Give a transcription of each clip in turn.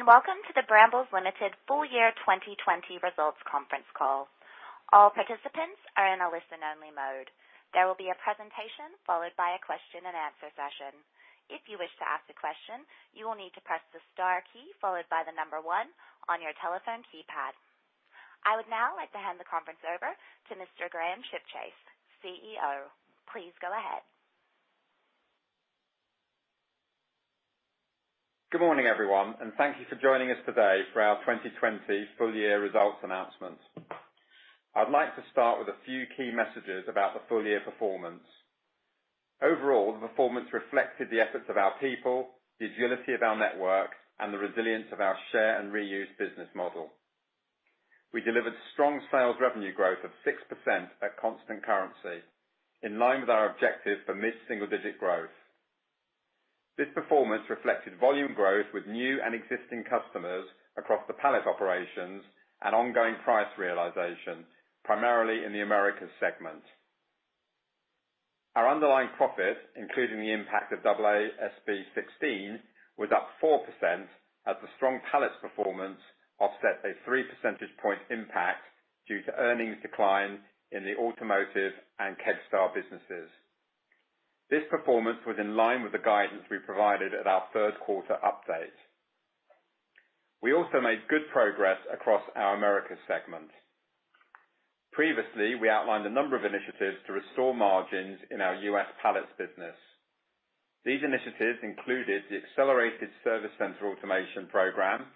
Welcome to the Brambles Limited full year 2020 results conference call. I would now like to hand the conference over to Mr. Graham Chipchase, CEO. Please go ahead. Good morning, everyone, and thank you for joining us today for our 2020 full year results announcement. I'd like to start with a few key messages about the full year performance. Overall, the performance reflected the efforts of our people, the agility of our network, and the resilience of our share and reuse business model. We delivered strong sales revenue growth of 6% at constant currency, in line with our objective for mid-single digit growth. This performance reflected volume growth with new and existing customers across the pallet operations and ongoing price realization, primarily in the Americas segment. Our underlying profit, including the impact of AASB 16, was up 4% as the strong pallets performance offset a three percentage point impact due to earnings decline in the automotive and Kegstar businesses. This performance was in line with the guidance we provided at our third quarter update. We also made good progress across our Americas segment. Previously, we outlined a number of initiatives to restore margins in our U.S. pallets business. These initiatives included the accelerated service center automation program,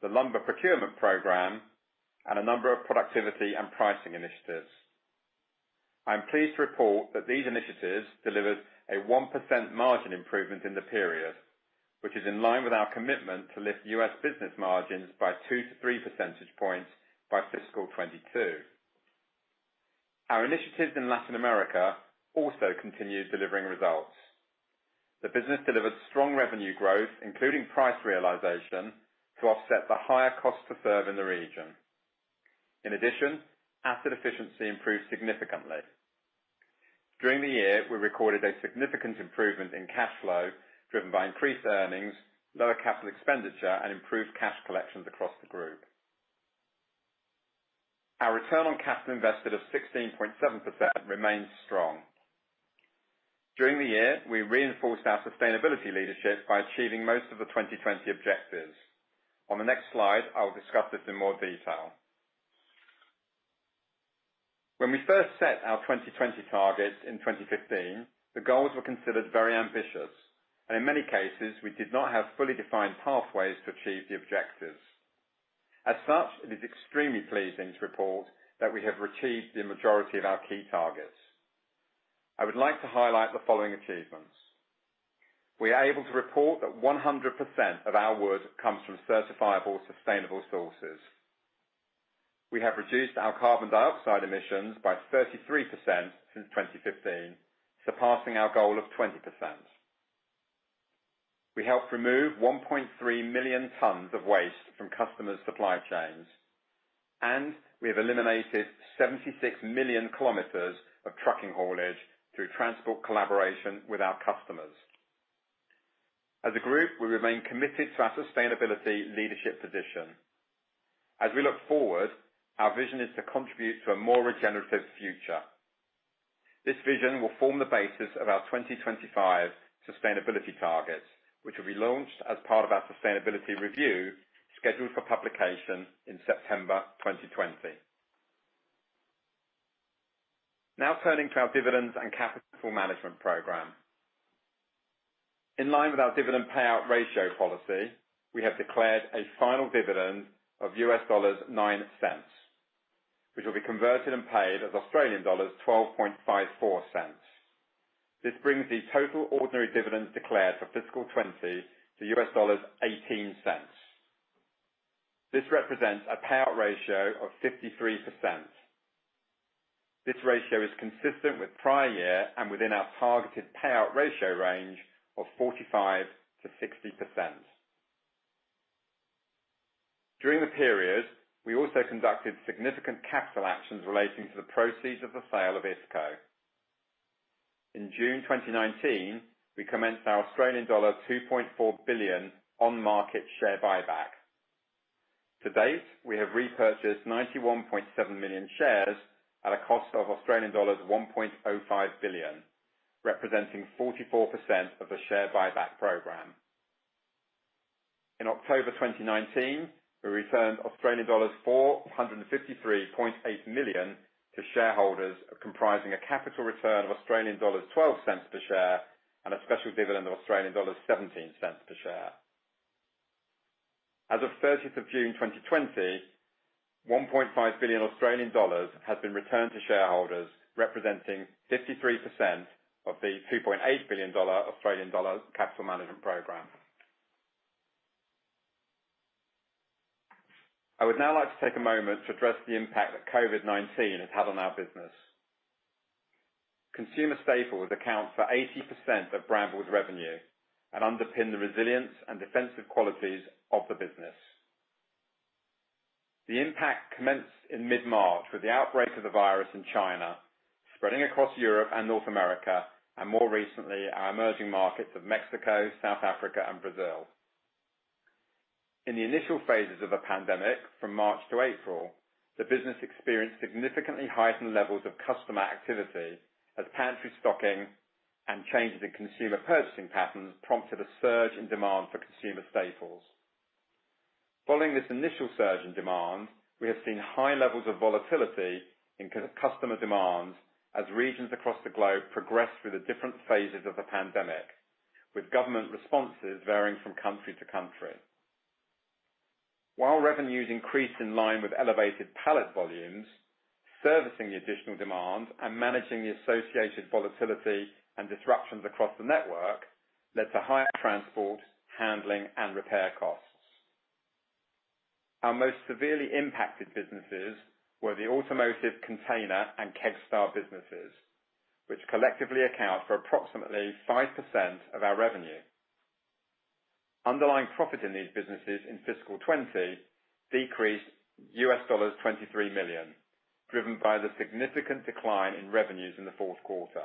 the lumber procurement program, and a number of productivity and pricing initiatives. I am pleased to report that these initiatives delivered a 1% margin improvement in the period, which is in line with our commitment to lift U.S. business margins by two to three percentage points by fiscal 2022. Our initiatives in Latin America also continued delivering results. The business delivered strong revenue growth, including price realization, to offset the higher cost to serve in the region. In addition, asset efficiency improved significantly. During the year, we recorded a significant improvement in cash flow driven by increased earnings, lower CapEx, and improved cash collections across the Group. Our return on capital invested of 16.7% remains strong. During the year, we reinforced our sustainability leadership by achieving most of the 2020 objectives. On the next slide, I will discuss this in more detail. When we first set our 2020 targets in 2015, the goals were considered very ambitious, and in many cases, we did not have fully defined pathways to achieve the objectives. As such, it is extremely pleasing to report that we have achieved the majority of our key targets. I would like to highlight the following achievements. We are able to report that 100% of our wood comes from certifiable sustainable sources. We have reduced our carbon dioxide emissions by 33% since 2015, surpassing our goal of 20%. We helped remove 1.3 million tons of waste from customers' supply chains, and we have eliminated 76 million kilometers of trucking haulage through transport collaboration with our customers. As a Group, we remain committed to our sustainability leadership position. As we look forward, our vision is to contribute to a more regenerative future. This vision will form the basis of our 2025 sustainability targets, which will be launched as part of our sustainability review scheduled for publication in September 2020. Now turning to our dividends and capital management program. In line with our dividend payout ratio policy, we have declared a final dividend of $0.09, which will be converted and paid as 0.1254. This brings the total ordinary dividends declared for fiscal 2020 to $0.18. This represents a payout ratio of 53%. This ratio is consistent with prior year and within our targeted payout ratio range of 45%-60%. During the period, we also conducted significant capital actions relating to the proceeds of the sale of IFCO. In June 2019, we commenced our Australian dollar 2.4 billion on market share buyback. To date, we have repurchased 91.7 million shares at a cost of Australian dollars 1.05 billion, representing 44% of the share buyback program. In October 2019, we returned 453.8 million Australian dollars to shareholders comprising a capital return of 0.12 per share and a special dividend of 0.17 per share. As of 30th of June 2020, 1.5 billion Australian dollars has been returned to shareholders, representing 53% of the 2.8 billion Australian dollar capital management program. I would now like to take a moment to address the impact that COVID-19 has had on our business. Consumer staples account for 80% of Brambles revenue and underpin the resilience and defensive qualities of the business. The impact commenced in mid-March with the outbreak of the virus in China, spreading across Europe and North America, and more recently, our emerging markets of Mexico, South Africa, and Brazil. In the initial phases of the pandemic, from March to April, the business experienced significantly heightened levels of customer activity as pantry stocking and changes in consumer purchasing patterns prompted a surge in demand for consumer staples. Following this initial surge in demand, we have seen high levels of volatility in customer demands as regions across the globe progress through the different phases of the pandemic, with government responses varying from country to country. While revenues increased in line with elevated pallet volumes, servicing the additional demand and managing the associated volatility and disruptions across the network led to higher transport, handling, and repair costs. Our most severely impacted businesses were the automotive container and Kegstar businesses, which collectively account for approximately 5% of our revenue. Underlying profit in these businesses in fiscal 2020 decreased $23 million, driven by the significant decline in revenues in the fourth quarter.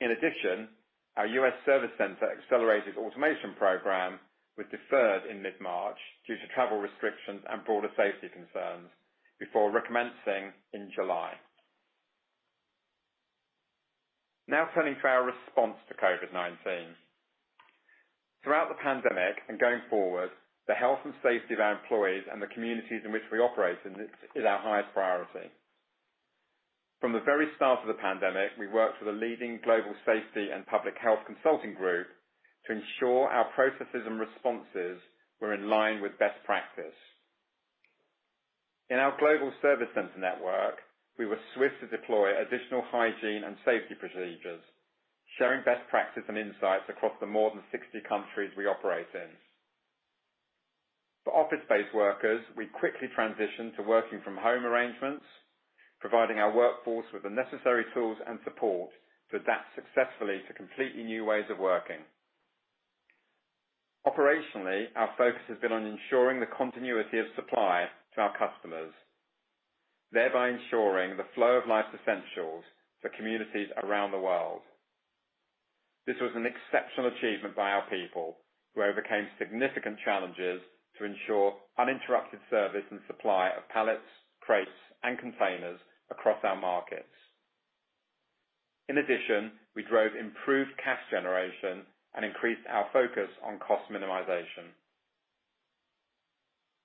In addition, our U.S. service center accelerated automation program was deferred in mid-March due to travel restrictions and broader safety concerns before recommencing in July. Turning to our response to COVID-19. Throughout the pandemic and going forward, the health and safety of our employees and the communities in which we operate in is our highest priority. From the very start of the pandemic, we worked with a leading global safety and public health consulting group to ensure our processes and responses were in line with best practice. In our global service center network, we were swift to deploy additional hygiene and safety procedures, sharing best practice and insights across the more than 60 countries we operate in. For office-based workers, we quickly transitioned to working from home arrangements, providing our workforce with the necessary tools and support to adapt successfully to completely new ways of working. Operationally, our focus has been on ensuring the continuity of supply to our customers, thereby ensuring the flow of life's essentials for communities around the world. This was an exceptional achievement by our people, who overcame significant challenges to ensure uninterrupted service and supply of pallets, crates, and containers across our markets. In addition, we drove improved cash generation and increased our focus on cost minimization.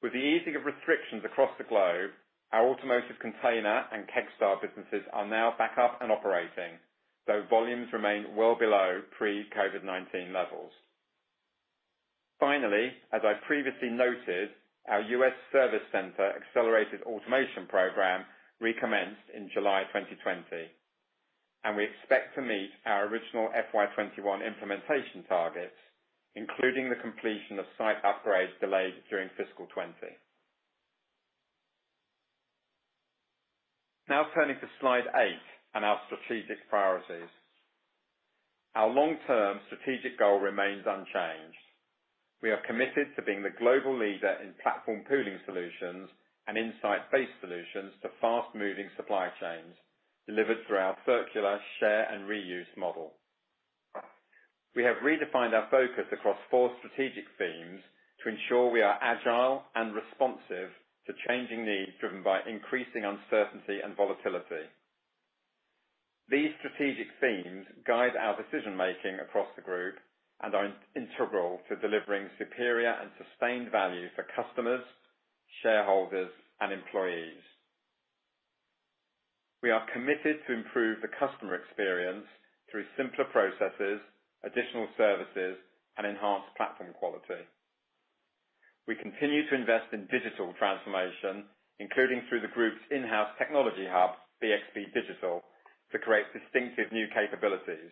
With the easing of restrictions across the globe, our automotive container and Kegstar businesses are now back up and operating, though volumes remain well below pre-COVID-19 levels. Finally, as I previously noted, our U.S. service center accelerated automation program recommenced in July 2020, and we expect to meet our original FY 2021 implementation targets, including the completion of site upgrades delayed during fiscal 2020. Now turning to slide eight and our strategic priorities. Our long-term strategic goal remains unchanged. We are committed to being the global leader in platform pooling solutions and insight-based solutions to fast-moving supply chains delivered through our circular share and reuse model. We have redefined our focus across four strategic themes to ensure we are agile and responsive to changing needs driven by increasing uncertainty and volatility. These strategic themes guide our decision-making across the group and are integral to delivering superior and sustained value for customers, shareholders, and employees. We are committed to improve the customer experience through simpler processes, additional services, and enhanced platform quality. We continue to invest in digital transformation, including through the group's in-house technology hub, BXB Digital, to create distinctive new capabilities.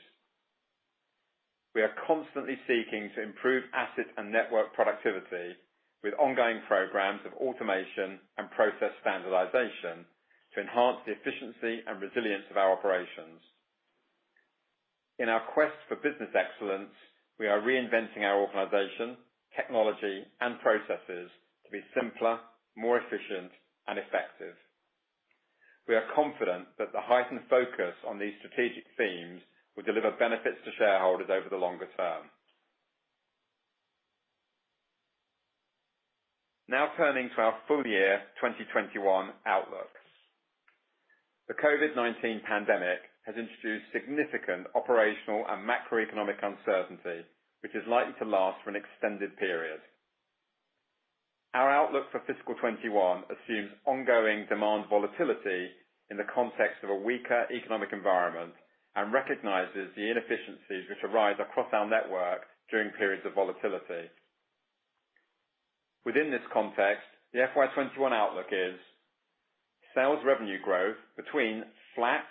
We are constantly seeking to improve asset and network productivity with ongoing programs of automation and process standardization to enhance the efficiency and resilience of our operations. In our quest for business excellence, we are reinventing our organization, technology, and processes to be simpler, more efficient, and effective. We are confident that the heightened focus on these strategic themes will deliver benefits to shareholders over the longer term. Turning to our full year 2021 outlooks. The COVID-19 pandemic has introduced significant operational and macroeconomic uncertainty, which is likely to last for an extended period. Our outlook for fiscal 2021 assumes ongoing demand volatility in the context of a weaker economic environment and recognizes the inefficiencies which arise across our network during periods of volatility. Within this context, the FY 2021 outlook is sales revenue growth between flat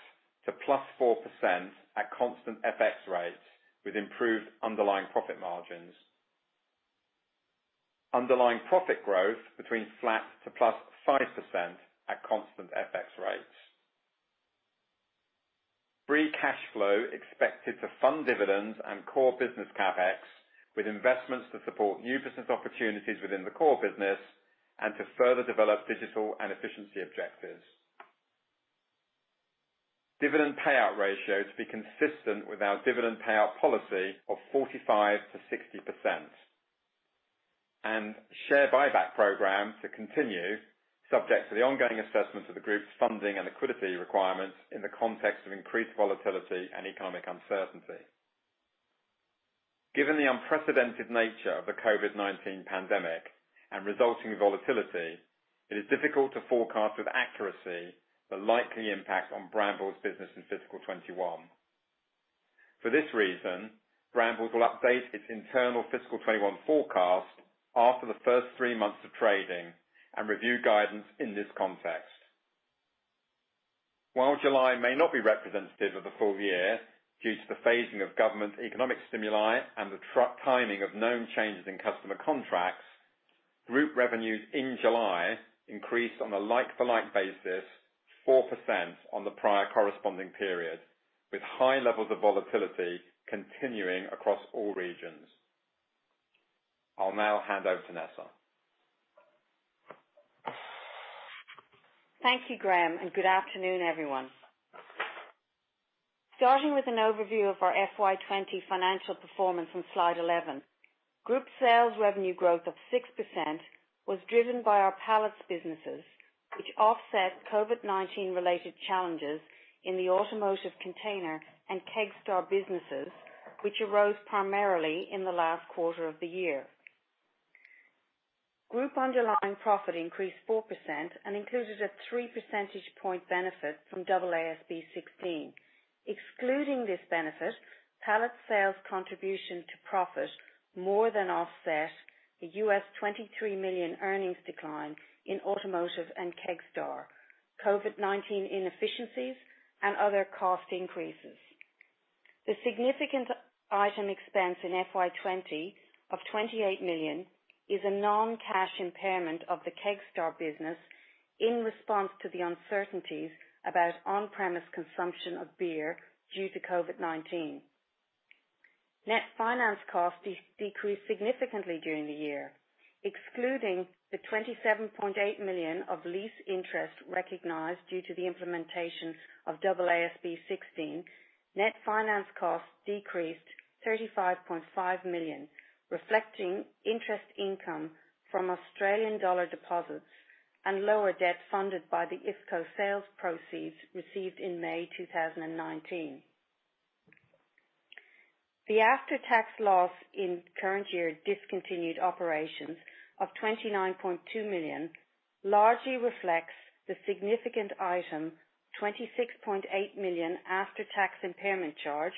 to +4% at constant FX rates with improved underlying profit margins. Underlying profit growth between flat to +5% at constant FX rates. Free cash flow expected to fund dividends and core business CapEx with investments to support new business opportunities within the core business and to further develop digital and efficiency objectives. Dividend payout ratio to be consistent with our dividend payout policy of 45%-60%. Share buyback program to continue subject to the ongoing assessments of the group's funding and liquidity requirements in the context of increased volatility and economic uncertainty. Given the unprecedented nature of the COVID-19 pandemic and resulting volatility, it is difficult to forecast with accuracy the likely impact on Brambles business in fiscal 2021. For this reason, Brambles will update its internal fiscal 2021 forecast after the first three months of trading and review guidance in this context. While July may not be representative of the full year due to the phasing of government economic stimuli and the timing of known changes in customer contracts, group revenues in July increased on a like-for-like basis 4% on the prior corresponding period, with high levels of volatility continuing across all regions. I'll now hand over to Nessa. Thank you, Graham, and good afternoon, everyone. Starting with an overview of our FY 2020 financial performance on slide 11. Group sales revenue growth of 6% was driven by our pallets businesses, which offset COVID-19 related challenges in the automotive container and Kegstar businesses, which arose primarily in the last quarter of the year. Group underlying profit increased 4% and included a three percentage point benefit from AASB 16. Excluding this benefit, pallet sales contribution to profit more than offset the US $23 million earnings decline in automotive and Kegstar, COVID-19 inefficiencies, and other cost increases. The significant item expense in FY 2020 of $28 million is a non-cash impairment of the Kegstar business in response to the uncertainties about on-premise consumption of beer due to COVID-19. Net finance costs decreased significantly during the year, excluding the 27.8 million of lease interest recognized due to the implementation of AASB 16, net finance costs decreased 35.5 million, reflecting interest income from Australian dollar deposits and lower debt funded by the IFCO sales proceeds received in May 2019. The after-tax loss in current year discontinued operations of 29.2 million largely reflects the significant item 26.8 million after-tax impairment charge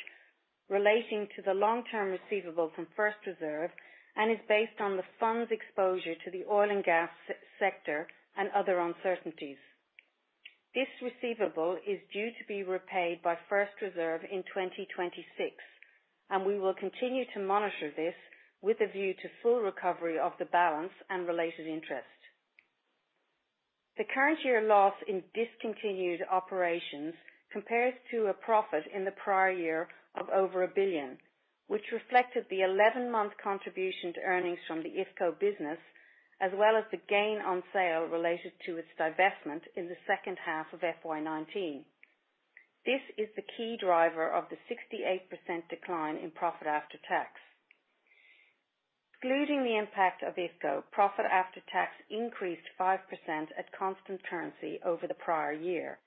relating to the long-term receivable from First Reserve, and is based on the fund's exposure to the oil and gas sector and other uncertainties. This receivable is due to be repaid by First Reserve in 2026, and we will continue to monitor this with a view to full recovery of the balance and related interest. The current year loss in discontinued operations compares to a profit in the prior year of over $1 billion, which reflected the 11-month contribution to earnings from the IFCO business, as well as the gain on sale related to its divestment in the second half of FY 2019. This is the key driver of the 68% decline in profit after tax. Excluding the impact of IFCO, profit after tax increased 5% at constant currency over the prior year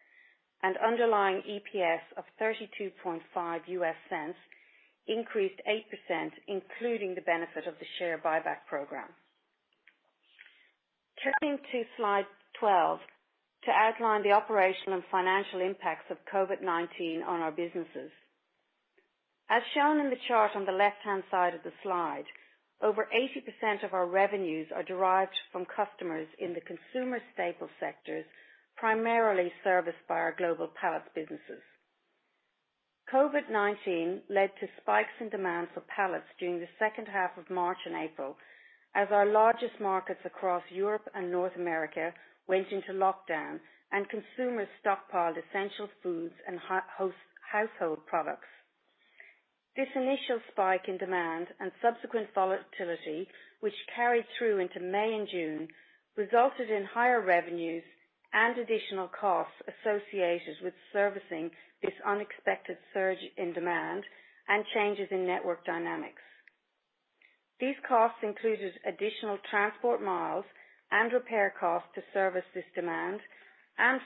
and underlying EPS of $0.325 increased 8%, including the benefit of the share buyback program. Turning to slide 12 to outline the operational and financial impacts of COVID-19 on our businesses. As shown in the chart on the left-hand side of the slide, over 80% of our revenues are derived from customers in the consumer staples sectors, primarily serviced by our global pallets businesses. COVID-19 led to spikes in demand for pallets during the second half of March and April as our largest markets across Europe and North America went into lockdown and consumers stockpiled essential foods and household products. This initial spike in demand and subsequent volatility, which carried through into May and June, resulted in higher revenues and additional costs associated with servicing this unexpected surge in demand and changes in network dynamics. These costs included additional transport miles and repair costs to service this demand.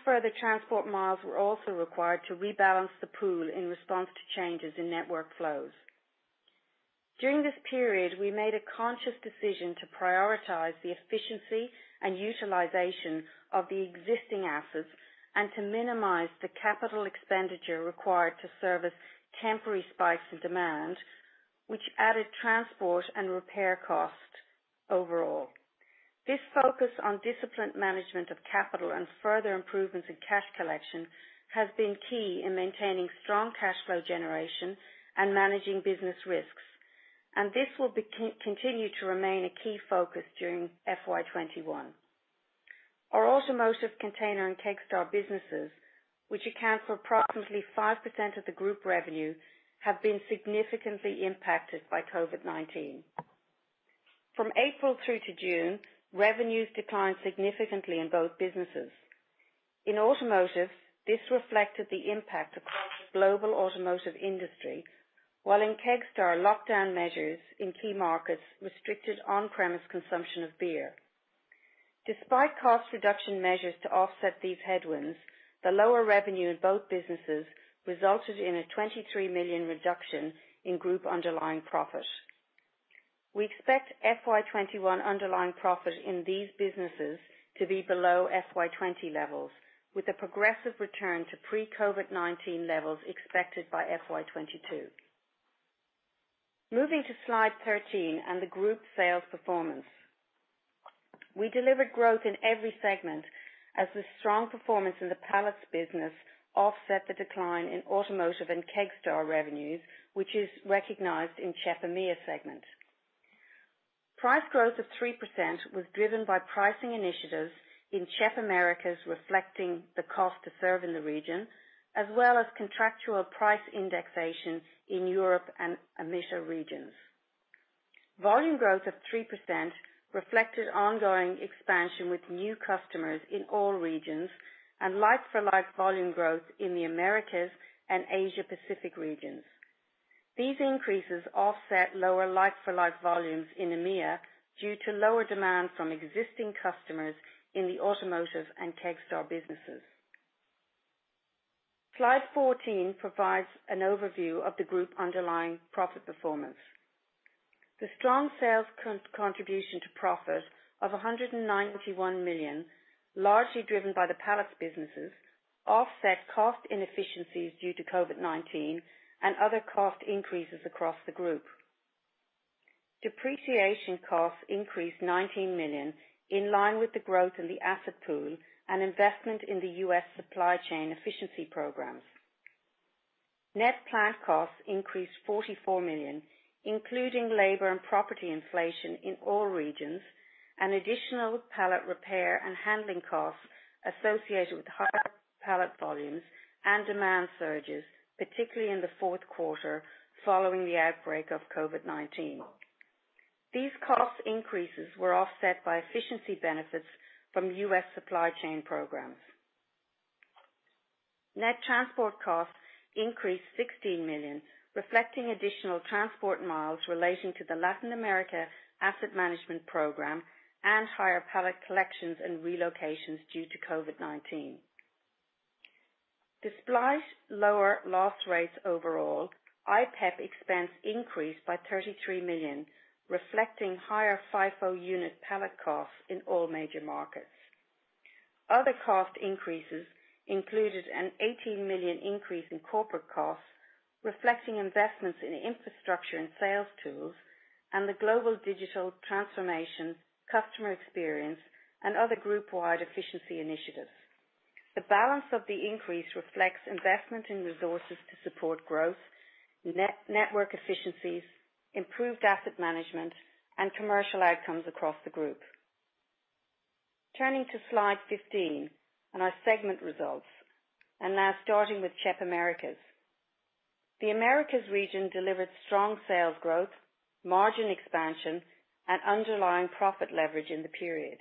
Further transport miles were also required to rebalance the pool in response to changes in network flows. During this period, we made a conscious decision to prioritize the efficiency and utilization of the existing assets and to minimize the capital expenditure required to service temporary spikes in demand, which added transport and repair costs overall. This focus on disciplined management of capital and further improvements in cash collection has been key in maintaining strong cash flow generation and managing business risks. This will continue to remain a key focus during FY 2021. Our Automotive, Container and Kegstar businesses, which account for approximately 5% of the group revenue, have been significantly impacted by COVID-19. From April through to June, revenues declined significantly in both businesses. In Automotive, this reflected the impact across the global automotive industry, while in Kegstar, lockdown measures in key markets restricted on-premise consumption of beer. Despite cost reduction measures to offset these headwinds, the lower revenue in both businesses resulted in a $23 million reduction in group underlying profit. We expect FY 2021 underlying profit in these businesses to be below FY 2020 levels, with a progressive return to pre-COVID-19 levels expected by FY 2022. Moving to slide 13 and the group sales performance. We delivered growth in every segment as the strong performance in the Pallets business offset the decline in Automotive and Kegstar revenues, which is recognized in CHEP EMEA segment. Price growth of 3% was driven by pricing initiatives in CHEP Americas, reflecting the cost to serve in the region, as well as contractual price indexation in Europe and EMEA regions. Volume growth of 3% reflected ongoing expansion with new customers in all regions, and like-for-like volume growth in the Americas and Asia Pacific regions. These increases offset lower like-for-like volumes in EMEA due to lower demand from existing customers in the Automotive and Kegstar businesses. Slide 14 provides an overview of the group underlying profit performance. The strong sales contribution to profit of 191 million, largely driven by the Pallets businesses, offset cost inefficiencies due to COVID-19 and other cost increases across the group. Depreciation costs increased $19 million, in line with the growth in the asset pool and investment in the U.S. supply chain efficiency programs. Net plant costs increased $44 million, including labor and property inflation in all regions, and additional pallet repair and handling costs associated with higher pallet volumes and demand surges, particularly in the fourth quarter following the outbreak of COVID-19. These cost increases were offset by efficiency benefits from U.S. supply chain programs. Net transport costs increased $16 million, reflecting additional transport miles relating to the Latin America asset management program and higher pallet collections and relocations due to COVID-19. Despite lower loss rates overall, IPEP expense increased by $33 million, reflecting higher FIFO unit pallet costs in all major markets. Other cost increases included an 18 million increase in corporate costs, reflecting investments in infrastructure and sales tools and the global digital transformation, customer experience, and other group-wide efficiency initiatives. The balance of the increase reflects investment in resources to support growth, network efficiencies, improved asset management, and commercial outcomes across the group. Turning to slide 15 and our segment results, now starting with CHEP Americas. The Americas region delivered strong sales growth, margin expansion, and underlying profit leverage in the period.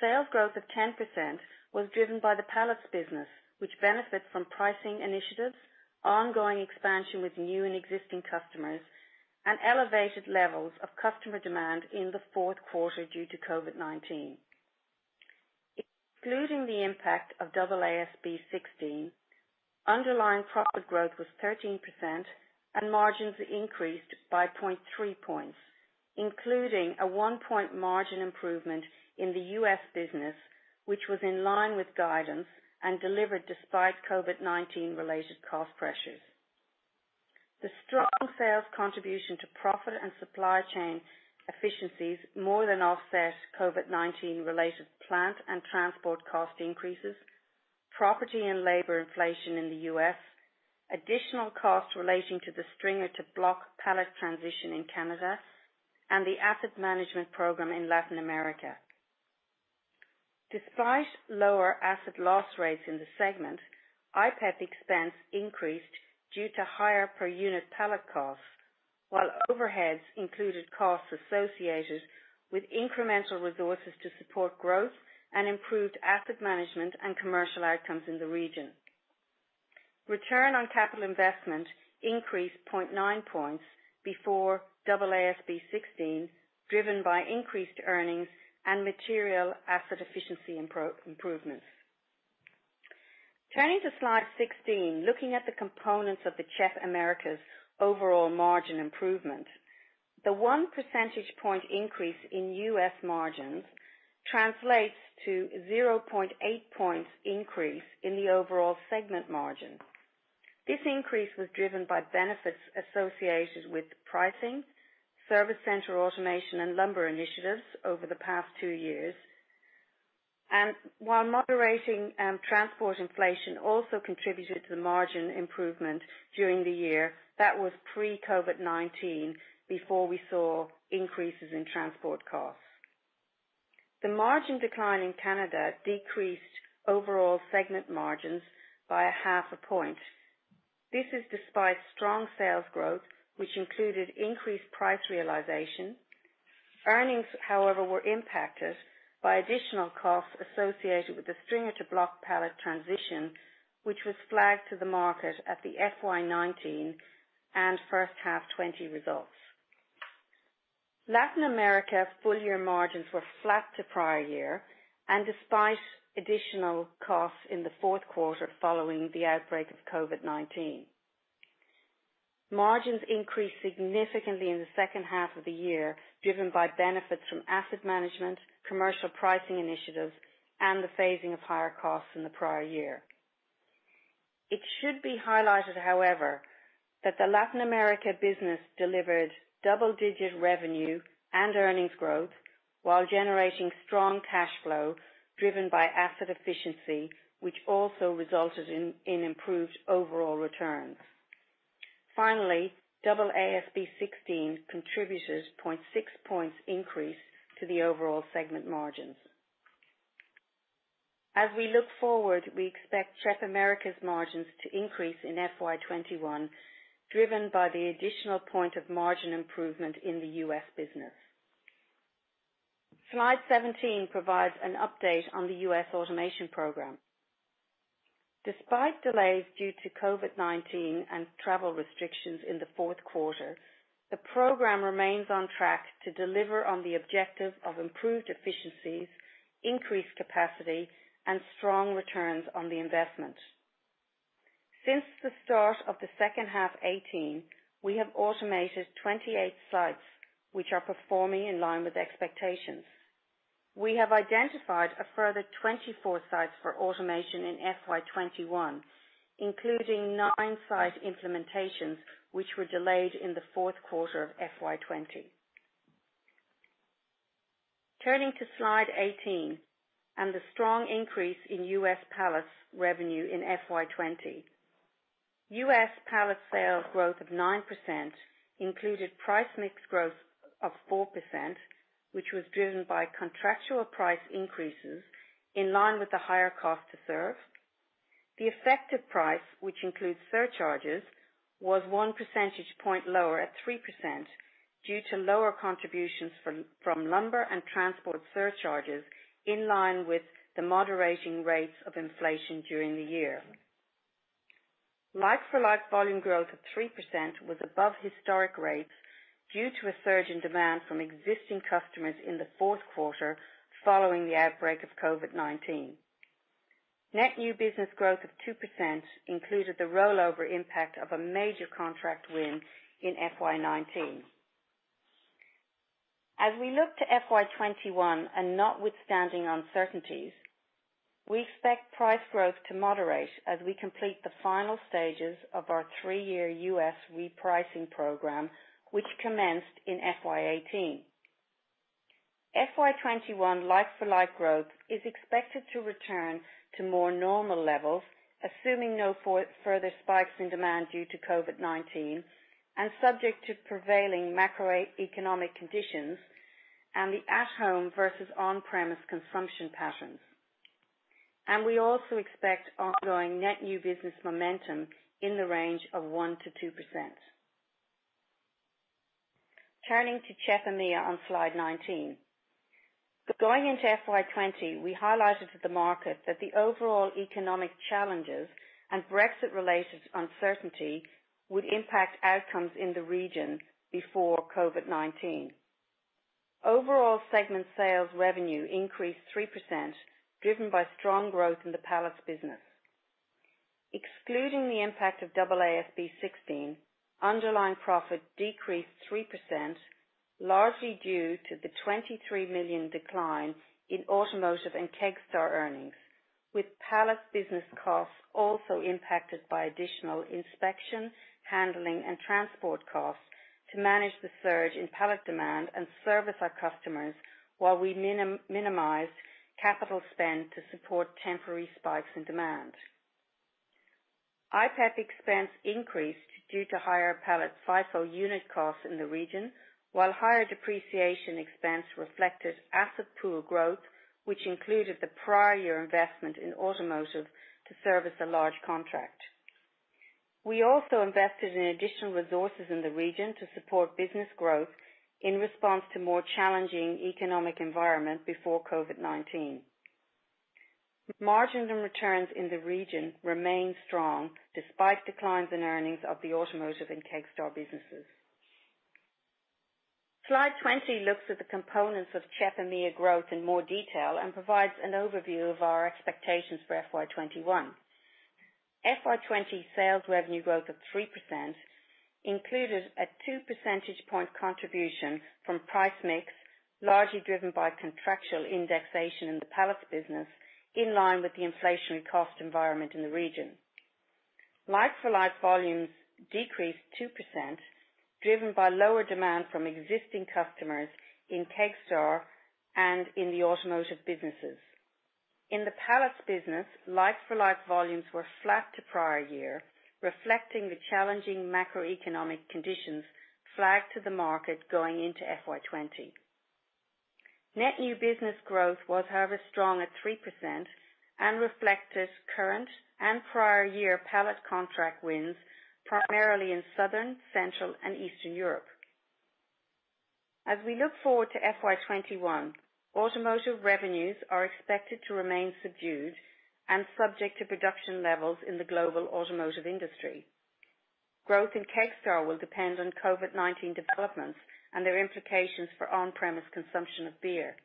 Sales growth of 10% was driven by the Pallets business, which benefits from pricing initiatives, ongoing expansion with new and existing customers, and elevated levels of customer demand in the fourth quarter due to COVID-19. Excluding the impact of AASB 16, underlying profit growth was 13% and margins increased by 0.3 points, including a one-point margin improvement in the U.S. business, which was in line with guidance and delivered despite COVID-19 related cost pressures. The strong sales contribution to profit and supply chain efficiencies more than offset COVID-19 related plant and transport cost increases, property and labor inflation in the U.S., additional costs relating to the stringer to block pallet transition in Canada, and the asset management program in Latin America. Despite lower asset loss rates in the segment, IPEP expense increased due to higher per-unit pallet costs, while overheads included costs associated with incremental resources to support growth and improved asset management and commercial outcomes in the region. Return on capital investment increased 0.9 points before AASB 16, driven by increased earnings and material asset efficiency improvements. Turning to slide 16, looking at the components of the CHEP Americas overall margin improvement. The one percentage point increase in U.S. margins translates to 0.8 points increase in the overall segment margin. This increase was driven by benefits associated with pricing, service center automation, and lumber initiatives over the past two years. While moderating transport inflation also contributed to the margin improvement during the year, that was pre-COVID-19, before we saw increases in transport costs. The margin decline in Canada decreased overall segment margins by a half a point. This is despite strong sales growth, which included increased price realization. Earnings, however, were impacted by additional costs associated with the stringer to block pallet transition, which was flagged to the market at the FY 2019 and first half 2020 results. Latin America full year margins were flat to prior year, despite additional costs in the fourth quarter following the outbreak of COVID-19. Margins increased significantly in the second half of the year, driven by benefits from asset management, commercial pricing initiatives, and the phasing of higher costs in the prior year. It should be highlighted, however, that the Latin America business delivered double-digit revenue and earnings growth while generating strong cash flow driven by asset efficiency, which also resulted in improved overall returns. Finally, AASB 16 contributed 0.6 points increase to the overall segment margins. As we look forward, we expect CHEP Americas' margins to increase in FY 2021, driven by the additional point of margin improvement in the U.S. business. Slide 17 provides an update on the U.S. automation program. Despite delays due to COVID-19 and travel restrictions in the fourth quarter, the program remains on track to deliver on the objective of improved efficiencies, increased capacity, and strong returns on the investment. Since the start of the second half 2018, we have automated 28 sites, which are performing in line with expectations. We have identified a further 24 sites for automation in FY 2021, including nine site implementations, which were delayed in the fourth quarter of FY 2020. Turning to slide 18 and the strong increase in U.S. pallets revenue in FY 2020. U.S. pallet sales growth of 9% included price mix growth of 4%, which was driven by contractual price increases in line with the higher cost to serve. The effective price, which includes surcharges, was one percentage point lower at 3% due to lower contributions from lumber and transport surcharges in line with the moderating rates of inflation during the year. Like for like volume growth of 3% was above historic rates due to a surge in demand from existing customers in the fourth quarter following the outbreak of COVID-19. Net new business growth of 2% included the rollover impact of a major contract win in FY 2019. As we look to FY 2021 and notwithstanding uncertainties, we expect price growth to moderate as we complete the final stages of our three-year U.S. repricing program, which commenced in FY 2018. FY 2021 like for like growth is expected to return to more normal levels, assuming no further spikes in demand due to COVID-19 and subject to prevailing macroeconomic conditions and the at home versus on-premise consumption patterns. We also expect ongoing net new business momentum in the range of 1%-2%. Turning to CHEP EMEA on slide 19. Going into FY 2020, we highlighted to the market that the overall economic challenges and Brexit related uncertainty would impact outcomes in the region before COVID-19. Overall segment sales revenue increased 3%, driven by strong growth in the pallets business. Excluding the impact of AASB 16, underlying profit decreased 3%, largely due to the $23 million decline in automotive and Kegstar earnings, with pallet business costs also impacted by additional inspection, handling, and transport costs to manage the surge in pallet demand and service our customers while we minimize capital spend to support temporary spikes in demand. IPEP expense increased due to higher pallet FIFO unit costs in the region, while higher depreciation expense reflected asset pool growth, which included the prior year investment in automotive to service a large contract. We also invested in additional resources in the region to support business growth in response to more challenging economic environment before COVID-19. Margins and returns in the region remained strong despite declines in earnings of the automotive and Kegstar businesses. Slide 20 looks at the components of CHEP EMEA growth in more detail and provides an overview of our expectations for FY 2021. FY 2020 sales revenue growth of 3% included a 2 percentage point contribution from price mix, largely driven by contractual indexation in the pallet business in line with the inflationary cost environment in the region. Like-for-like volumes decreased 2%, driven by lower demand from existing customers in Kegstar and in the automotive businesses. In the pallets business, like-for-like volumes were flat to prior year, reflecting the challenging macroeconomic conditions flagged to the market going into FY 2020. Net new business growth was, however, strong at 3% and reflected current and prior year pallet contract wins, primarily in Southern, Central, and Eastern Europe. As we look forward to FY 2021, automotive revenues are expected to remain subdued and subject to production levels in the global automotive industry. Growth in Kegstar will depend on COVID-19 developments and their implications for on-premise consumption of beer.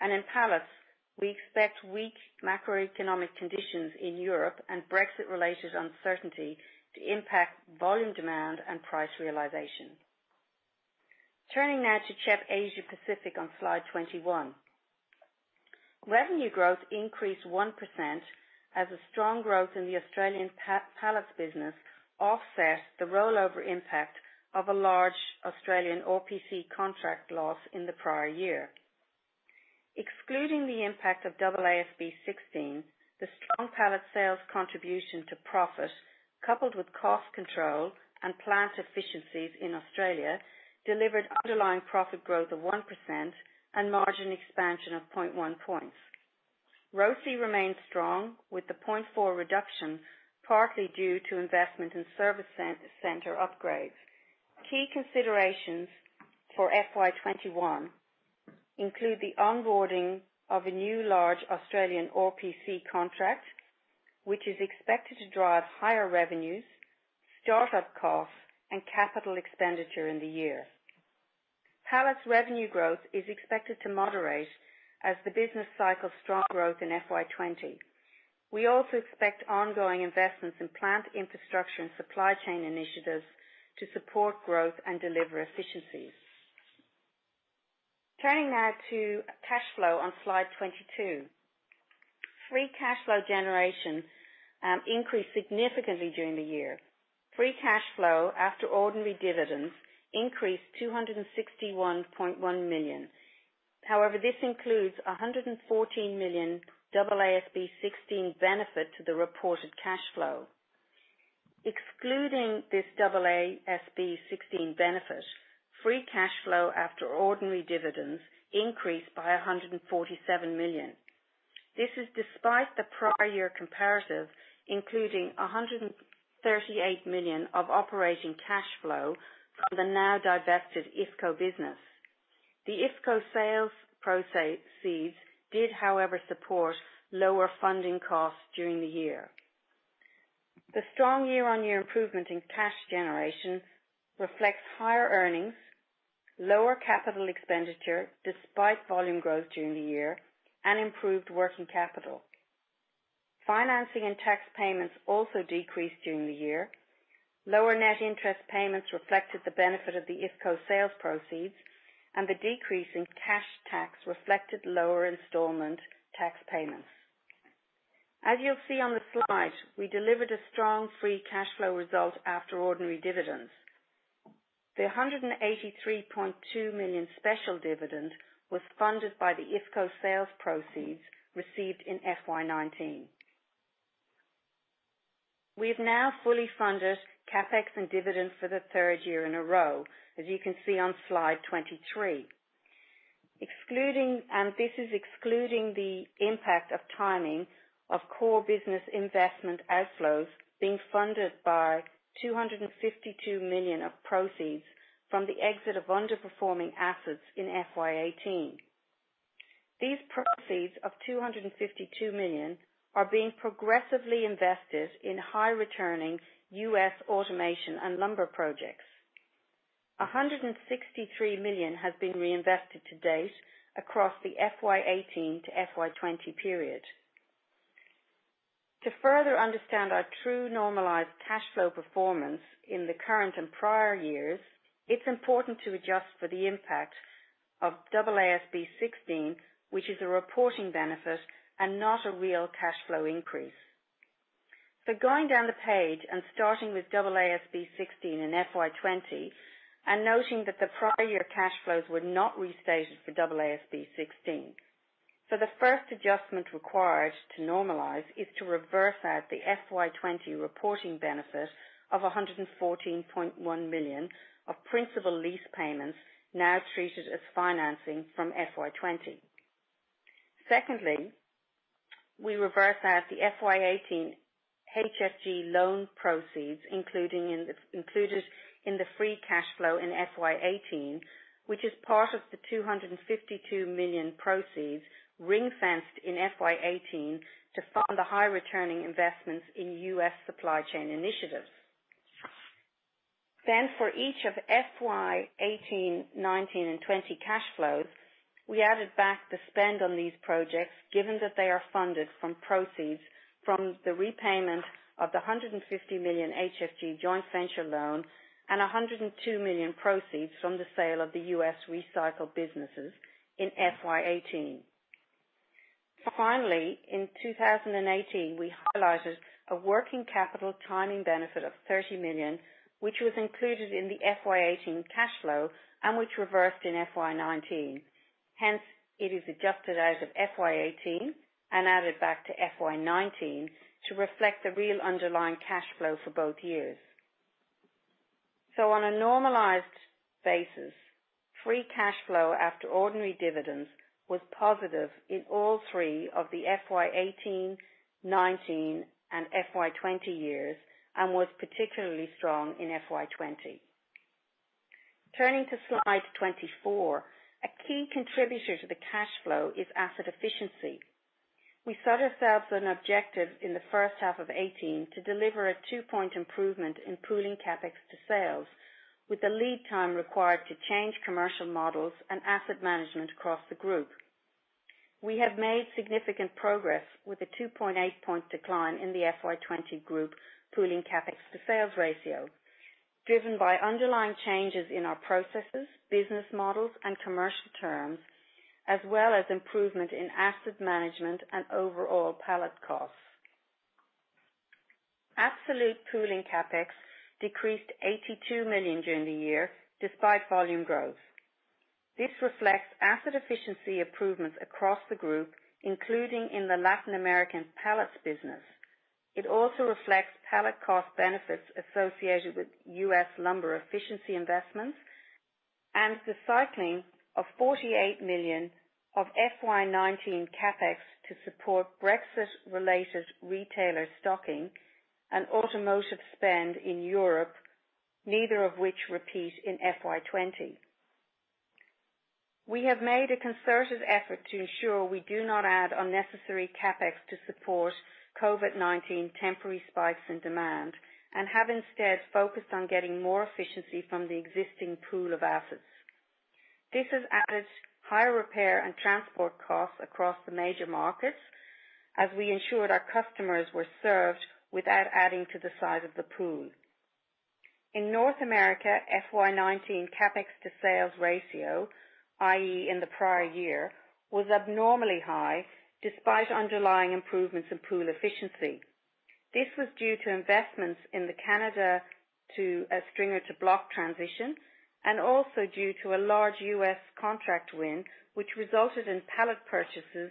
In pallets, we expect weak macroeconomic conditions in Europe and Brexit-related uncertainty to impact volume demand and price realization. Turning now to CHEP Asia-Pacific on slide 21. Revenue growth increased 1% as a strong growth in the Australian pallets business offset the rollover impact of a large Australian RPC contract loss in the prior year. Excluding the impact of AASB 16, the strong pallet sales contribution to profit, coupled with cost control and plant efficiencies in Australia, delivered underlying profit growth of 1% and margin expansion of 0.1 points. ROCE remained strong, with the 0.4 reduction partly due to investment in service center upgrades. Key considerations for FY 2021 include the onboarding of a new large Australian RPC contract, which is expected to drive higher revenues, startup costs, and capital expenditure in the year. Pallets revenue growth is expected to moderate as the business cycles strong growth in FY 2020. We also expect ongoing investments in plant infrastructure and supply chain initiatives to support growth and deliver efficiencies. Turning now to cash flow on slide 22. Free cash flow generation increased significantly during the year. Free cash flow after ordinary dividends increased to 261.1 million. However, this includes $114 million AASB 16 benefit to the reported cash flow. Excluding this AASB 16 benefit, free cash flow after ordinary dividends increased by 147 million. This is despite the prior year comparative, including 138 million of operating cash flow from the now-divested IFCO business. The IFCO sales proceeds did, however, support lower funding costs during the year. The strong year-on-year improvement in cash generation reflects higher earnings, lower capital expenditure despite volume growth during the year, and improved working capital. Financing and tax payments also decreased during the year. Lower net interest payments reflected the benefit of the IFCO sales proceeds, and the decrease in cash tax reflected lower installment tax payments. As you'll see on the slide, we delivered a strong free cash flow result after ordinary dividends. The 183.2 million special dividend was funded by the IFCO sales proceeds received in FY 2019. We've now fully funded CapEx and dividends for the third year in a row, as you can see on slide 23. This is excluding the impact of timing of core business investment outflows being funded by $252 million of proceeds from the exit of underperforming assets in FY 2018. These proceeds of $252 million are being progressively invested in high-returning U.S. automation and lumber projects. 163 million has been reinvested to date across the FY 2018 to FY 2020 period. To further understand our true normalized cash flow performance in the current and prior years, it is important to adjust for the impact of AASB 16, which is a reporting benefit and not a real cash flow increase. Going down the page and starting with AASB 16 in FY 2020 and noting that the prior year cash flows were not restated for AASB 16. The first adjustment required to normalize is to reverse out the FY 2020 reporting benefit of $114.1 million of principal lease payments now treated as financing from FY 2020. Secondly, we reverse out the FY 2018 HFG loan proceeds included in the free cash flow in FY 2018, which is part of the $252 million proceeds ring-fenced in FY 2018 to fund the high-returning investments in U.S. supply chain initiatives. For each of FY 2018, FY 2019, and FY 2020 cash flows, we added back the spend on these projects given that they are funded from proceeds from the repayment of the $150 million HFG joint venture loan and $102 million proceeds from the sale of the U.S. recycle businesses in FY 2018. Finally, in 2018, we highlighted a working capital timing benefit of $30 million, which was included in the FY 2018 cash flow and which reversed in FY 2019. It is adjusted out of FY 2018 and added back to FY 2019 to reflect the real underlying cash flow for both years. On a normalized basis, free cash flow after ordinary dividends was positive in all three of the FY 2018, FY 2019, and FY 2020 years, and was particularly strong in FY 2020. Turning to slide 24. A key contributor to the cash flow is asset efficiency. We set ourselves an objective in the first half of 2018 to deliver a two-point improvement in pooling CapEx to sales, with the lead time required to change commercial models and asset management across the group. We have made significant progress with a 2.8-point decline in the FY 2020 group pooling CapEx-to-sales ratio, driven by underlying changes in our processes, business models, and commercial terms, as well as improvement in asset management and overall pallet costs. Absolute pooling CapEx decreased $82 million during the year despite volume growth. This reflects asset efficiency improvements across the group, including in the Latin American pallets business. It also reflects pallet cost benefits associated with U.S. lumber efficiency investments and the cycling of $48 million of FY 2019 CapEx to support Brexit related retailer stocking and automotive spend in Europe, neither of which repeat in FY 2020. We have made a concerted effort to ensure we do not add unnecessary CapEx to support COVID-19 temporary spikes in demand and have instead focused on getting more efficiency from the existing pool of assets. This has added higher repair and transport costs across the major markets as we ensured our customers were served without adding to the size of the pool. In North America, FY 2019 CapEx to sales ratio, i.e. in the prior year, was abnormally high despite underlying improvements in pool efficiency. This was due to investments in the Canada to a stringer to block transition and also due to a large U.S. contract win, which resulted in pallet purchases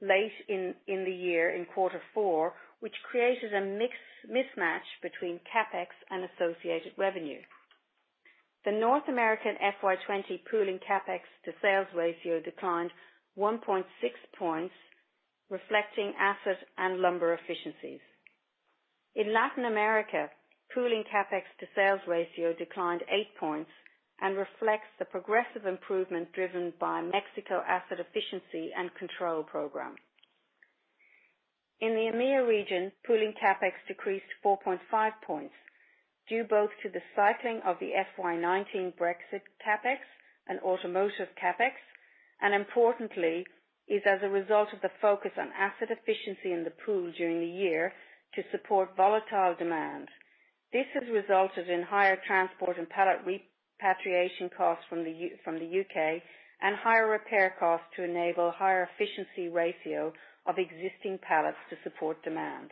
late in the year in Q4, which created a mismatch between CapEx and associated revenue. The North American FY 2020 pooling CapEx to sales ratio declined 1.6 points, reflecting asset and lumber efficiencies. In Latin America, pooling CapEx to sales ratio declined 8 points and reflects the progressive improvement driven by Mexico asset efficiency and control program. In the EMEA region, pooling CapEx decreased 4.5 points due both to the cycling of the FY 2019 Brexit CapEx and automotive CapEx, and importantly, is as a result of the focus on asset efficiency in the pool during the year to support volatile demand. This has resulted in higher transport and pallet repatriation costs from the U.K. and higher repair costs to enable higher efficiency ratio of existing pallets to support demand.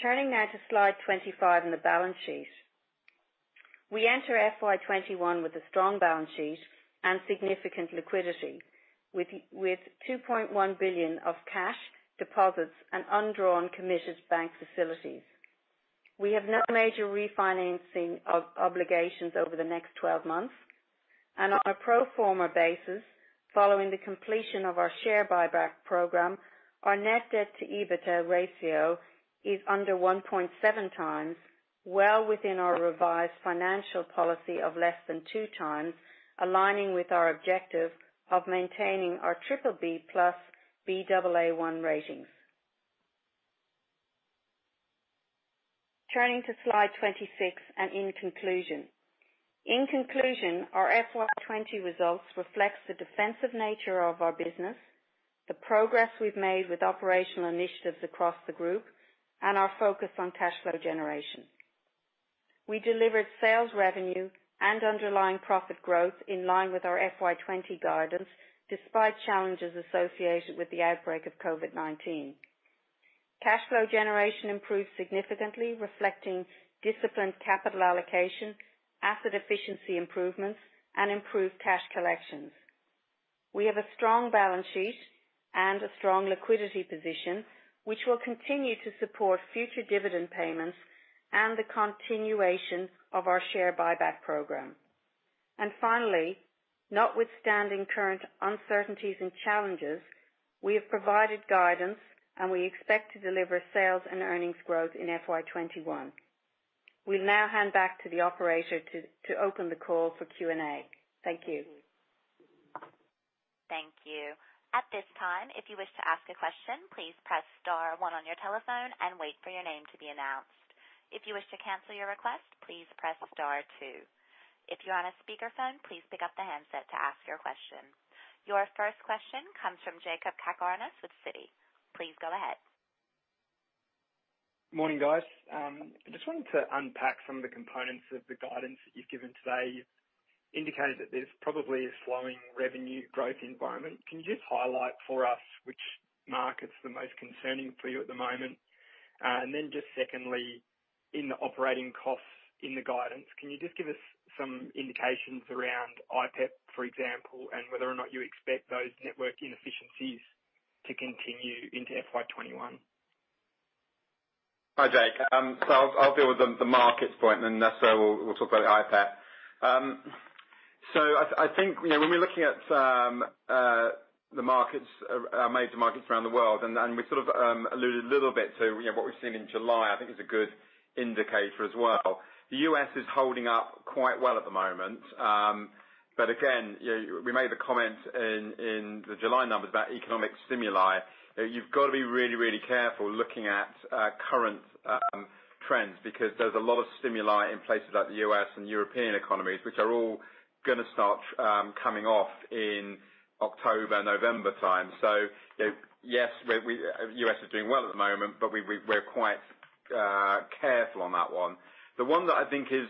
Turning now to slide 25 and the balance sheet. We enter FY 2021 with a strong balance sheet and significant liquidity with $2.1 billion of cash deposits and undrawn committed bank facilities. We have no major refinancing obligations over the next 12 months and on a pro forma basis, following the completion of our share buyback program, our net debt to EBITDA ratio is under 1.7x, well within our revised financial policy of less than 2x, aligning with our objective of maintaining our BBB+, Baa1 ratings. Turning to slide 26 and in conclusion. In conclusion, our FY 2020 results reflects the defensive nature of our business, the progress we've made with operational initiatives across the group, and our focus on cash flow generation. We delivered sales revenue and underlying profit growth in line with our FY 2020 guidance despite challenges associated with the outbreak of COVID-19. Cash flow generation improved significantly, reflecting disciplined capital allocation, asset efficiency improvements, and improved cash collections. We have a strong balance sheet and a strong liquidity position, which will continue to support future dividend payments and the continuation of our share buyback program. Finally, notwithstanding current uncertainties and challenges, we have provided guidance and we expect to deliver sales and earnings growth in FY 2021. We now hand back to the operator to open the call for Q&A. Thank you. Thank you. At this time, if you wish to ask a question, please press star one on your telephone and wait for your name to be announced. If you wish to cancel your request, please press star two. If you're on a speakerphone, please pick up the handset to ask your question. Your first question comes from Jakob Cakarnis with Citi. Please go ahead. Morning, guys. I just wanted to unpack some of the components of the guidance that you've given today. You've indicated that there's probably a slowing revenue growth environment. Can you just highlight for us which market's the most concerning for you at the moment? Just secondly, in the operating costs in the guidance, can you just give us some indications around IPEP, for example, and whether or not you expect those network inefficiencies to continue into FY 2021? Hi, Jakob. I'll deal with the markets point, and then Nessa will talk about IPEP. I think when we're looking at the markets, our major markets around the world, and we sort of alluded a little bit to what we've seen in July, I think is a good indicator as well. The U.S. is holding up quite well at the moment. Again, we made the comment in the July numbers about economic stimuli. You've got to be really careful looking at current trends because there's a lot of stimuli in places like the U.S. and European economies, which are all going to start coming off in October, November time. Yes, U.S. is doing well at the moment, but we're quite careful on that one. The one that I think is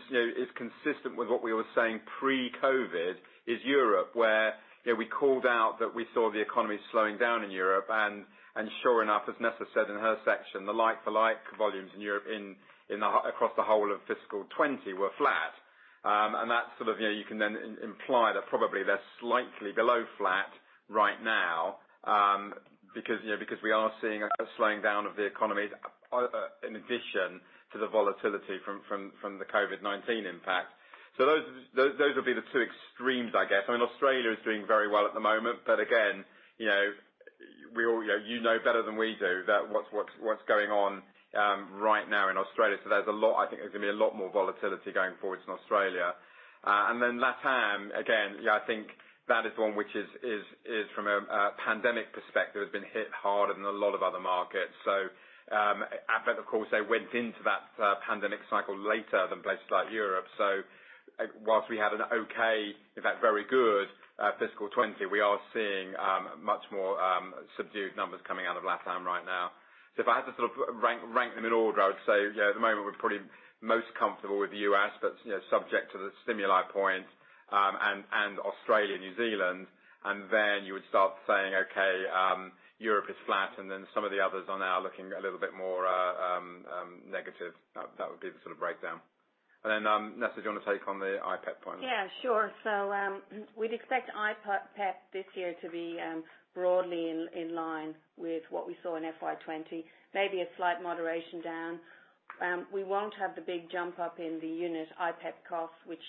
consistent with what we were saying pre-COVID is Europe, where we called out that we saw the economy slowing down in Europe, and sure enough, as Nessa said in her section, the like-for-like volumes in Europe across the whole of fiscal 2020 were flat. You can then imply that probably they're slightly below flat right now, because we are seeing a slowing down of the economies in addition to the volatility from the COVID-19 impact. Those will be the two extremes, I guess. I mean, Australia is doing very well at the moment, but again, you know better than we do what's going on right now in Australia. I think there's going to be a lot more volatility going forwards in Australia. Then LATAM, again, I think that is one which is from a pandemic perspective, has been hit harder than a lot of other markets. Of course, they went into that pandemic cycle later than places like Europe. Whilst we had an okay, in fact, very good fiscal 2020, we are seeing much more subdued numbers coming out of LATAM right now. If I had to sort of rank them in order, I would say, at the moment, we're probably most comfortable with the U.S., but subject to the stimuli point, and Australia, New Zealand. Then you would start saying, okay, Europe is flat and then some of the others are now looking a little bit more negative. That would be the sort of breakdown. Then, Nessa, do you want to take on the IPEP point? Yeah, sure. We'd expect IPEP this year to be broadly in line with what we saw in FY 2020, maybe a slight moderation down. We won't have the big jump up in the unit IPEP costs, which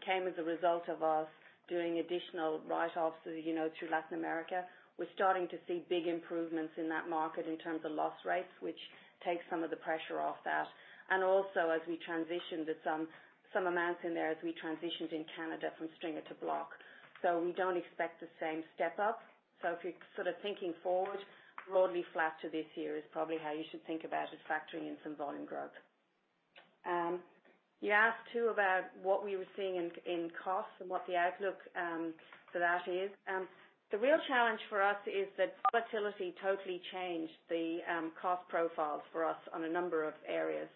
came as a result of us doing additional write-offs through Latin America. We're starting to see big improvements in that market in terms of loss rates, which takes some of the pressure off that. Also, as we transition to some amounts in there as we transitioned in Canada from stringer to block. We don't expect the same step up. If you're sort of thinking forward, broadly flat to this year is probably how you should think about it, factoring in some volume growth. You asked too about what we were seeing in costs and what the outlook for that is. The real challenge for us is that volatility totally changed the cost profiles for us on a number of areas.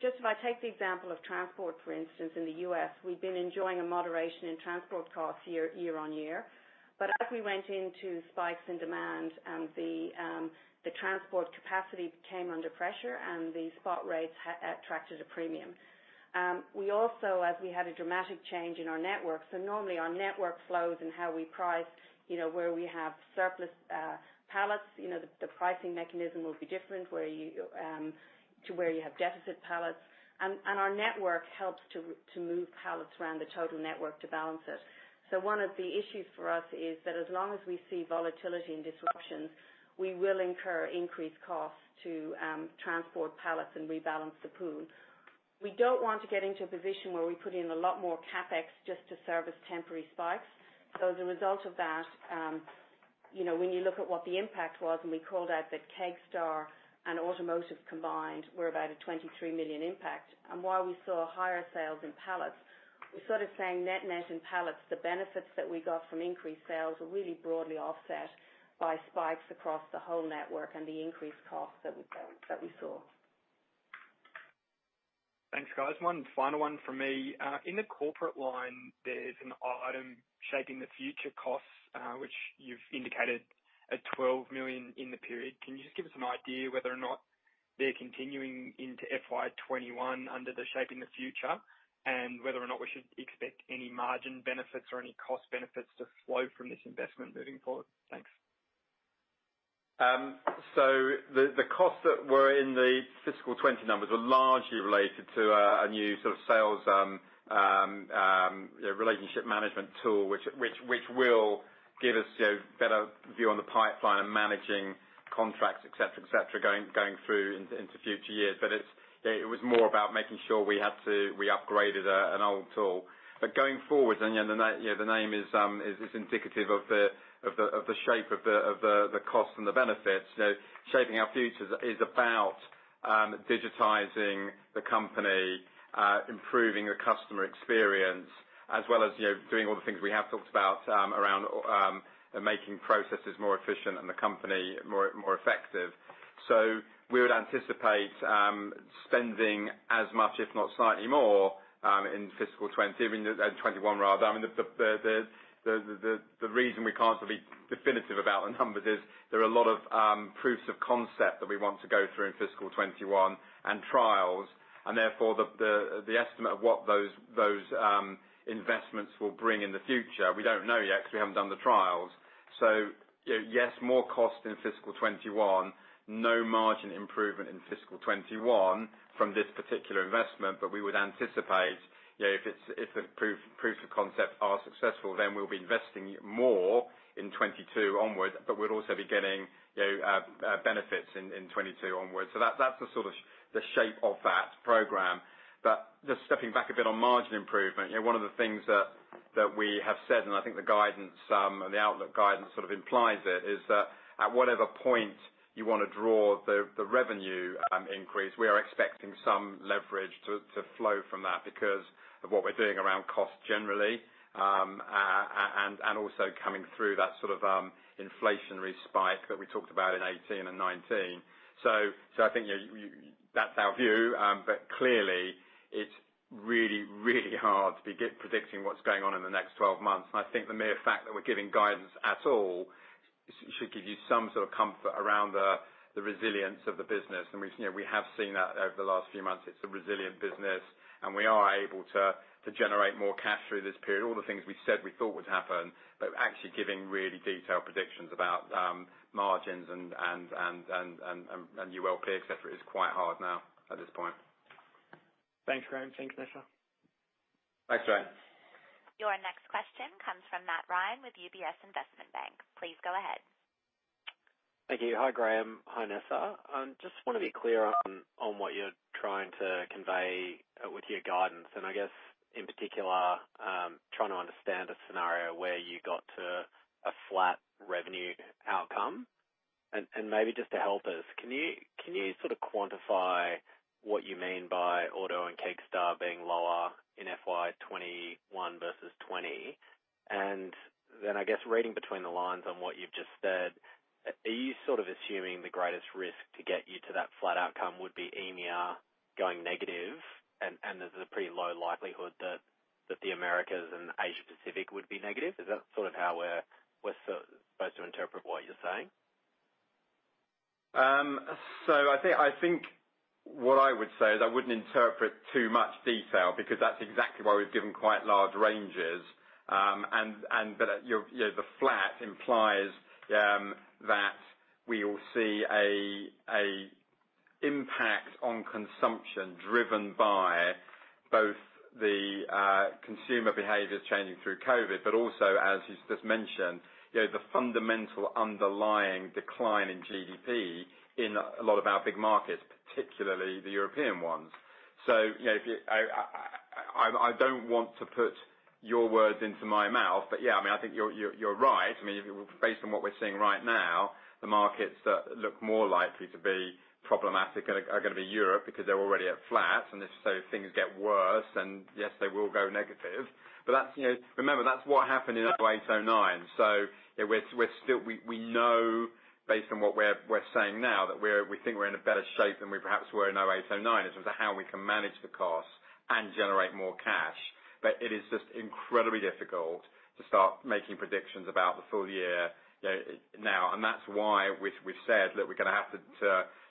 Just if I take the example of transport, for instance, in the U.S., we've been enjoying a moderation in transport costs year-on-year. As we went into spikes in demand and the transport capacity came under pressure and the spot rates attracted a premium. We also, as we had a dramatic change in our network, normally our network flows and how we price where we have surplus pallets, the pricing mechanism will be different to where you have deficit pallets. Our network helps to move pallets around the total network to balance it. One of the issues for us is that as long as we see volatility and disruption, we will incur increased costs to transport pallets and rebalance the pool. We don't want to get into a position where we put in a lot more CapEx just to service temporary spikes. As a result of that, when you look at what the impact was, we called out that Kegstar and automotive combined were about a $23 million impact. While we saw higher sales in pallets, we're sort of saying net in pallets, the benefits that we got from increased sales are really broadly offset by spikes across the whole network and the increased cost that we saw. Thanks, guys. One final one from me. In the corporate line, there's an item Shaping Our Future costs, which you've indicated at 12 million in the period. Can you just give us an idea whether or not they're continuing into FY 2021 under the Shaping Our Future? Whether or not we should expect any margin benefits or any cost benefits to flow from this investment moving forward? Thanks. The costs that were in the fiscal 2020 numbers are largely related to a new sort of sales relationship management tool, which will give us a better view on the pipeline and managing contracts, et cetera, going through into future years. It was more about making sure we upgraded an old tool. Going forward, and the name is indicative of the shape of the cost and the benefits. Shaping Our Future is about digitizing the company, improving the customer experience, as well as doing all the things we have talked about around making processes more efficient and the company more effective. We would anticipate spending as much, if not slightly more, in fiscal 2021. The reason we can't be definitive about the numbers is there are a lot of proofs of concept that we want to go through in fiscal 2021 and trials, and therefore the estimate of what those investments will bring in the future, we don't know yet because we haven't done the trials. Yes, more cost in fiscal 2021, no margin improvement in fiscal 2021 from this particular investment, we would anticipate if the proof of concept are successful, we'll be investing more in 2022 onwards, we'll also be getting benefits in 2022 onwards. That's the shape of that program. Just stepping back a bit on margin improvement, one of the things that we have said, and I think the outlook guidance sort of implies it, is that at whatever point you want to draw the revenue increase, we are expecting some leverage to flow from that because of what we're doing around cost generally, and also coming through that inflationary spike that we talked about in 2018 and 2019. I think that's our view. Clearly it's really hard to be predicting what's going on in the next 12 months. I think the mere fact that we're giving guidance at all should give you some sort of comfort around the resilience of the business. We have seen that over the last few months. It's a resilient business and we are able to generate more cash through this period. All the things we said we thought would happen, but actually giving really detailed predictions about margins and ULP, et cetera, is quite hard now at this point. Thanks, Graham. Thanks, Nessa. Thanks, Graham. Your next question comes from Matt Ryan with UBS Investment Bank. Please go ahead. Thank you. Hi, Graham. Hi, Nessa. Just want to be clear on what you're trying to convey with your guidance, and I guess in particular, trying to understand a scenario where you got to a flat revenue outcome. Maybe just to help us, can you sort of quantify what you mean by Automotive and Kegstar being lower in FY 2021 versus 2020? I guess reading between the lines on what you've just said, are you sort of assuming the greatest risk to get you to that flat outcome would be EMEA going negative, and there's a pretty low likelihood that the Americas and Asia-Pacific would be negative? Is that sort of how we're supposed to interpret what you're saying? I think what I would say is I wouldn't interpret too much detail because that's exactly why we've given quite large ranges. The flat implies that we will see an impact on consumption driven by both the consumer behaviors changing through COVID, but also, as you just mentioned, the fundamental underlying decline in GDP in a lot of our big markets, particularly the European ones. I don't want to put your words into my mouth, but yeah, I think you're right. Based on what we're seeing right now, the markets that look more likely to be problematic are going to be Europe because they're already at flat, and if things get worse, then yes, they will go negative. Remember, that's what happened in 2008, 2009. We know based on what we're saying now, that we think we're in a better shape than we perhaps were in 2008, 2009, in terms of how we can manage the costs and generate more cash. It is just incredibly difficult to start making predictions about the full year now, and that's why we've said that we're going to have to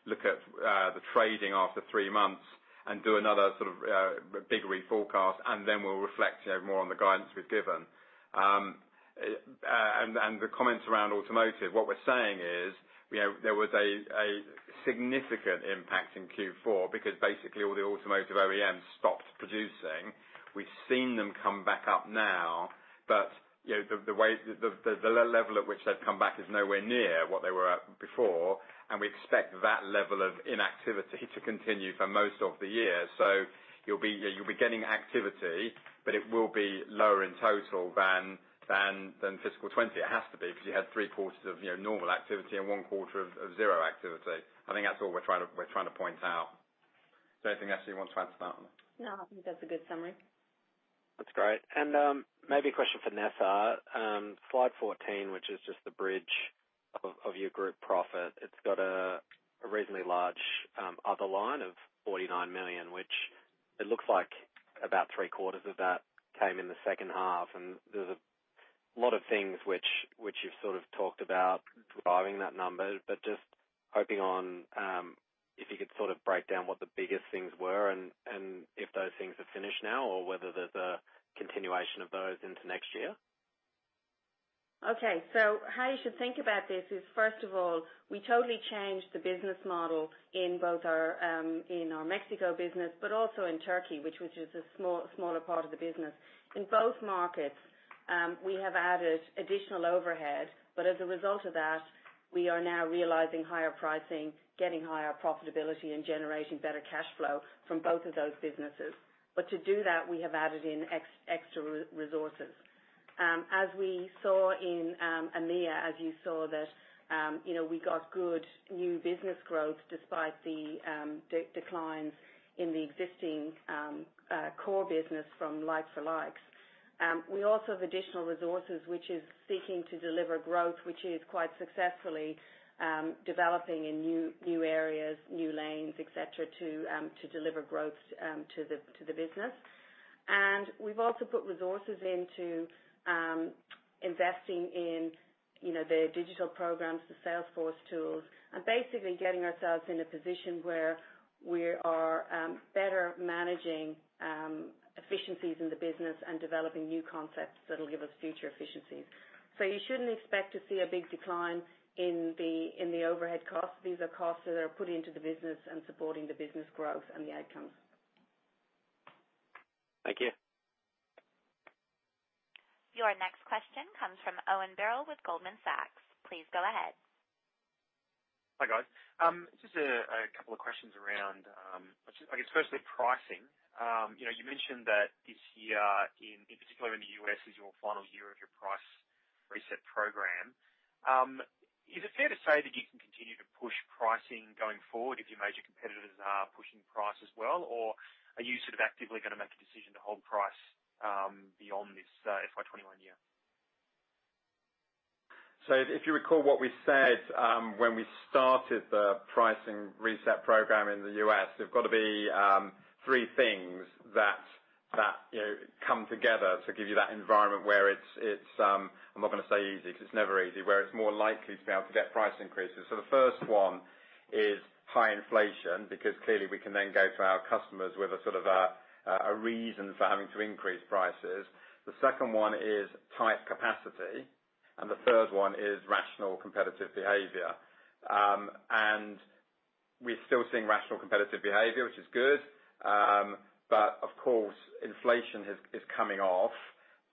look at the trading after three months and do another sort of big reforecast, and then we'll reflect more on the guidance we've given. The comments around automotive, what we're saying is there was a significant impact in Q4 because basically all the automotive OEMs stopped producing. We've seen them come back up now, but the level at which they've come back is nowhere near what they were at before, and we expect that level of inactivity to continue for most of the year. You'll be getting activity, but it will be lower in total than fiscal 2020. It has to be because you had three quarters of normal activity and one quarter of zero activity. I think that's all we're trying to point out. Is there anything, Nessa, you want to add to that one? No, I think that's a good summary. That's great. Maybe a question for Nessa. Slide 14, which is just the bridge of your group profit. It's got a reasonably large other line of $49 million, which it looks like about three quarters of that came in the second half. There's a lot of things which you've sort of talked about driving that number, but just hoping on if you could sort of break down what the biggest things were and if those things are finished now or whether there's a continuation of those into next year. Okay. How you should think about this is, first of all, we totally changed the business model in our Mexico business, but also in Turkey, which is a smaller part of the business. In both markets, we have added additional overhead, but as a result of that, we are now realizing higher pricing, getting higher profitability, and generating better cash flow from both of those businesses. To do that, we have added in extra resources. As we saw in EMEA, as you saw that we got good new business growth despite the declines in the existing core business from likes for likes. We also have additional resources, which is seeking to deliver growth, which is quite successfully developing in new areas, new lanes, et cetera, to deliver growth to the business. We've also put resources into investing in the digital programs, the Salesforce tools, and basically getting ourselves in a position where we are better managing efficiencies in the business and developing new concepts that will give us future efficiencies. You shouldn't expect to see a big decline in the overhead costs. These are costs that are put into the business and supporting the business growth and the outcomes. Thank you. Your next question comes from Owen Birrell with Goldman Sachs. Please go ahead. Hi, guys. Just a couple of questions around, I guess, firstly, pricing. You mentioned that this year, in particular in the U.S., is your final year of your price reset program. Is it fair to say that you can continue to push pricing going forward if your major competitors are pushing price as well? Are you sort of actively going to make a decision to hold price beyond this FY 2021 year? If you recall what we said when we started the pricing reset program in the U.S., there's got to be three things that come together to give you that environment where it's-- I'm not going to say easy, because it's never easy, where it's more likely to be able to get price increases. The second one is tight capacity, the third one is rational competitive behavior. We're still seeing rational competitive behavior, which is good. Of course, inflation is coming off.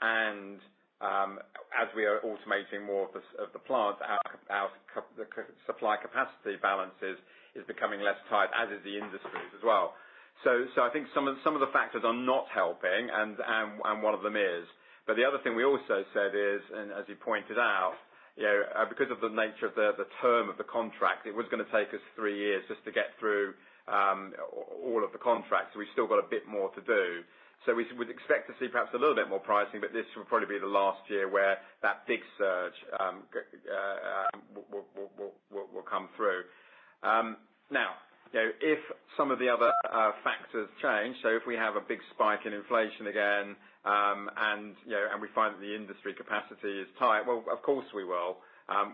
As we are automating more of the plants, the supply capacity balance is becoming less tight, as is the industries as well. I think some of the factors are not helping and one of them is. The other thing we also said is, and as you pointed out, because of the nature of the term of the contract, it was going to take us three years just to get through all of the contracts. We still got a bit more to do. We would expect to see perhaps a little bit more pricing, but this will probably be the last year where that big surge will come through. If some of the other factors change, so if we have a big spike in inflation again, and we find that the industry capacity is tight, well, of course, we will.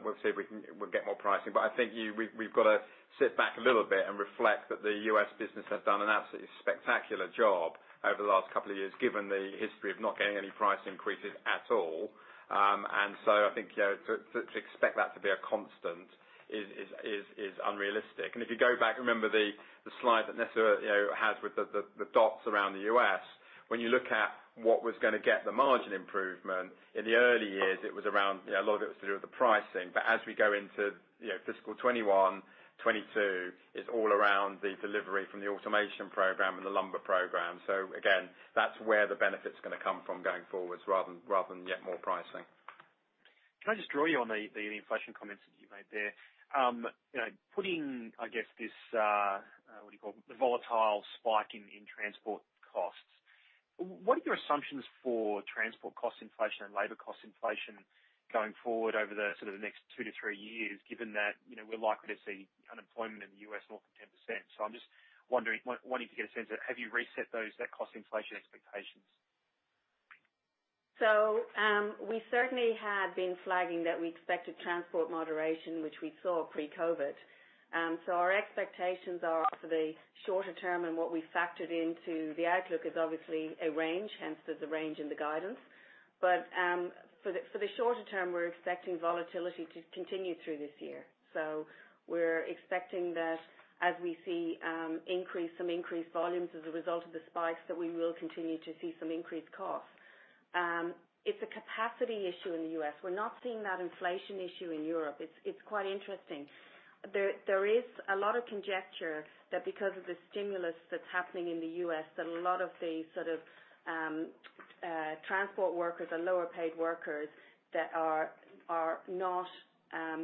We'll see if we can get more pricing. I think we've got to sit back a little bit and reflect that the U.S. business has done an absolutely spectacular job over the last couple of years, given the history of not getting any price increases at all. I think to expect that to be a constant is unrealistic. If you go back, remember the slide that Nessa has with the dots around the U.S. When you look at what was going to get the margin improvement, in the early years, a lot of it was to do with the pricing. As we go into fiscal 2021, 2022, it's all around the delivery from the automation program and the lumber program. Again, that's where the benefit is going to come from going forwards rather than get more pricing. Can I just draw you on the inflation comments that you made there? Putting, I guess this, what do you call, the volatile spike in transport costs. What are your assumptions for transport cost inflation and labor cost inflation going forward over the next 2 to 3 years, given that we're likely to see unemployment in the U.S. north of 10%? I'm just wondering, wanting to get a sense of, have you reset those cost inflation expectations? We certainly had been flagging that we expected transport moderation, which we saw pre-COVID. Our expectations are for the shorter term, and what we factored into the outlook is obviously a range, hence there's a range in the guidance. For the shorter term, we're expecting volatility to continue through this year. We're expecting that as we see some increased volumes as a result of the spikes, that we will continue to see some increased costs. It's a capacity issue in the U.S. We're not seeing that inflation issue in Europe. It's quite interesting. There is a lot of conjecture that because of the stimulus that's happening in the U.S., that a lot of the sort of transport workers are lower paid workers that are not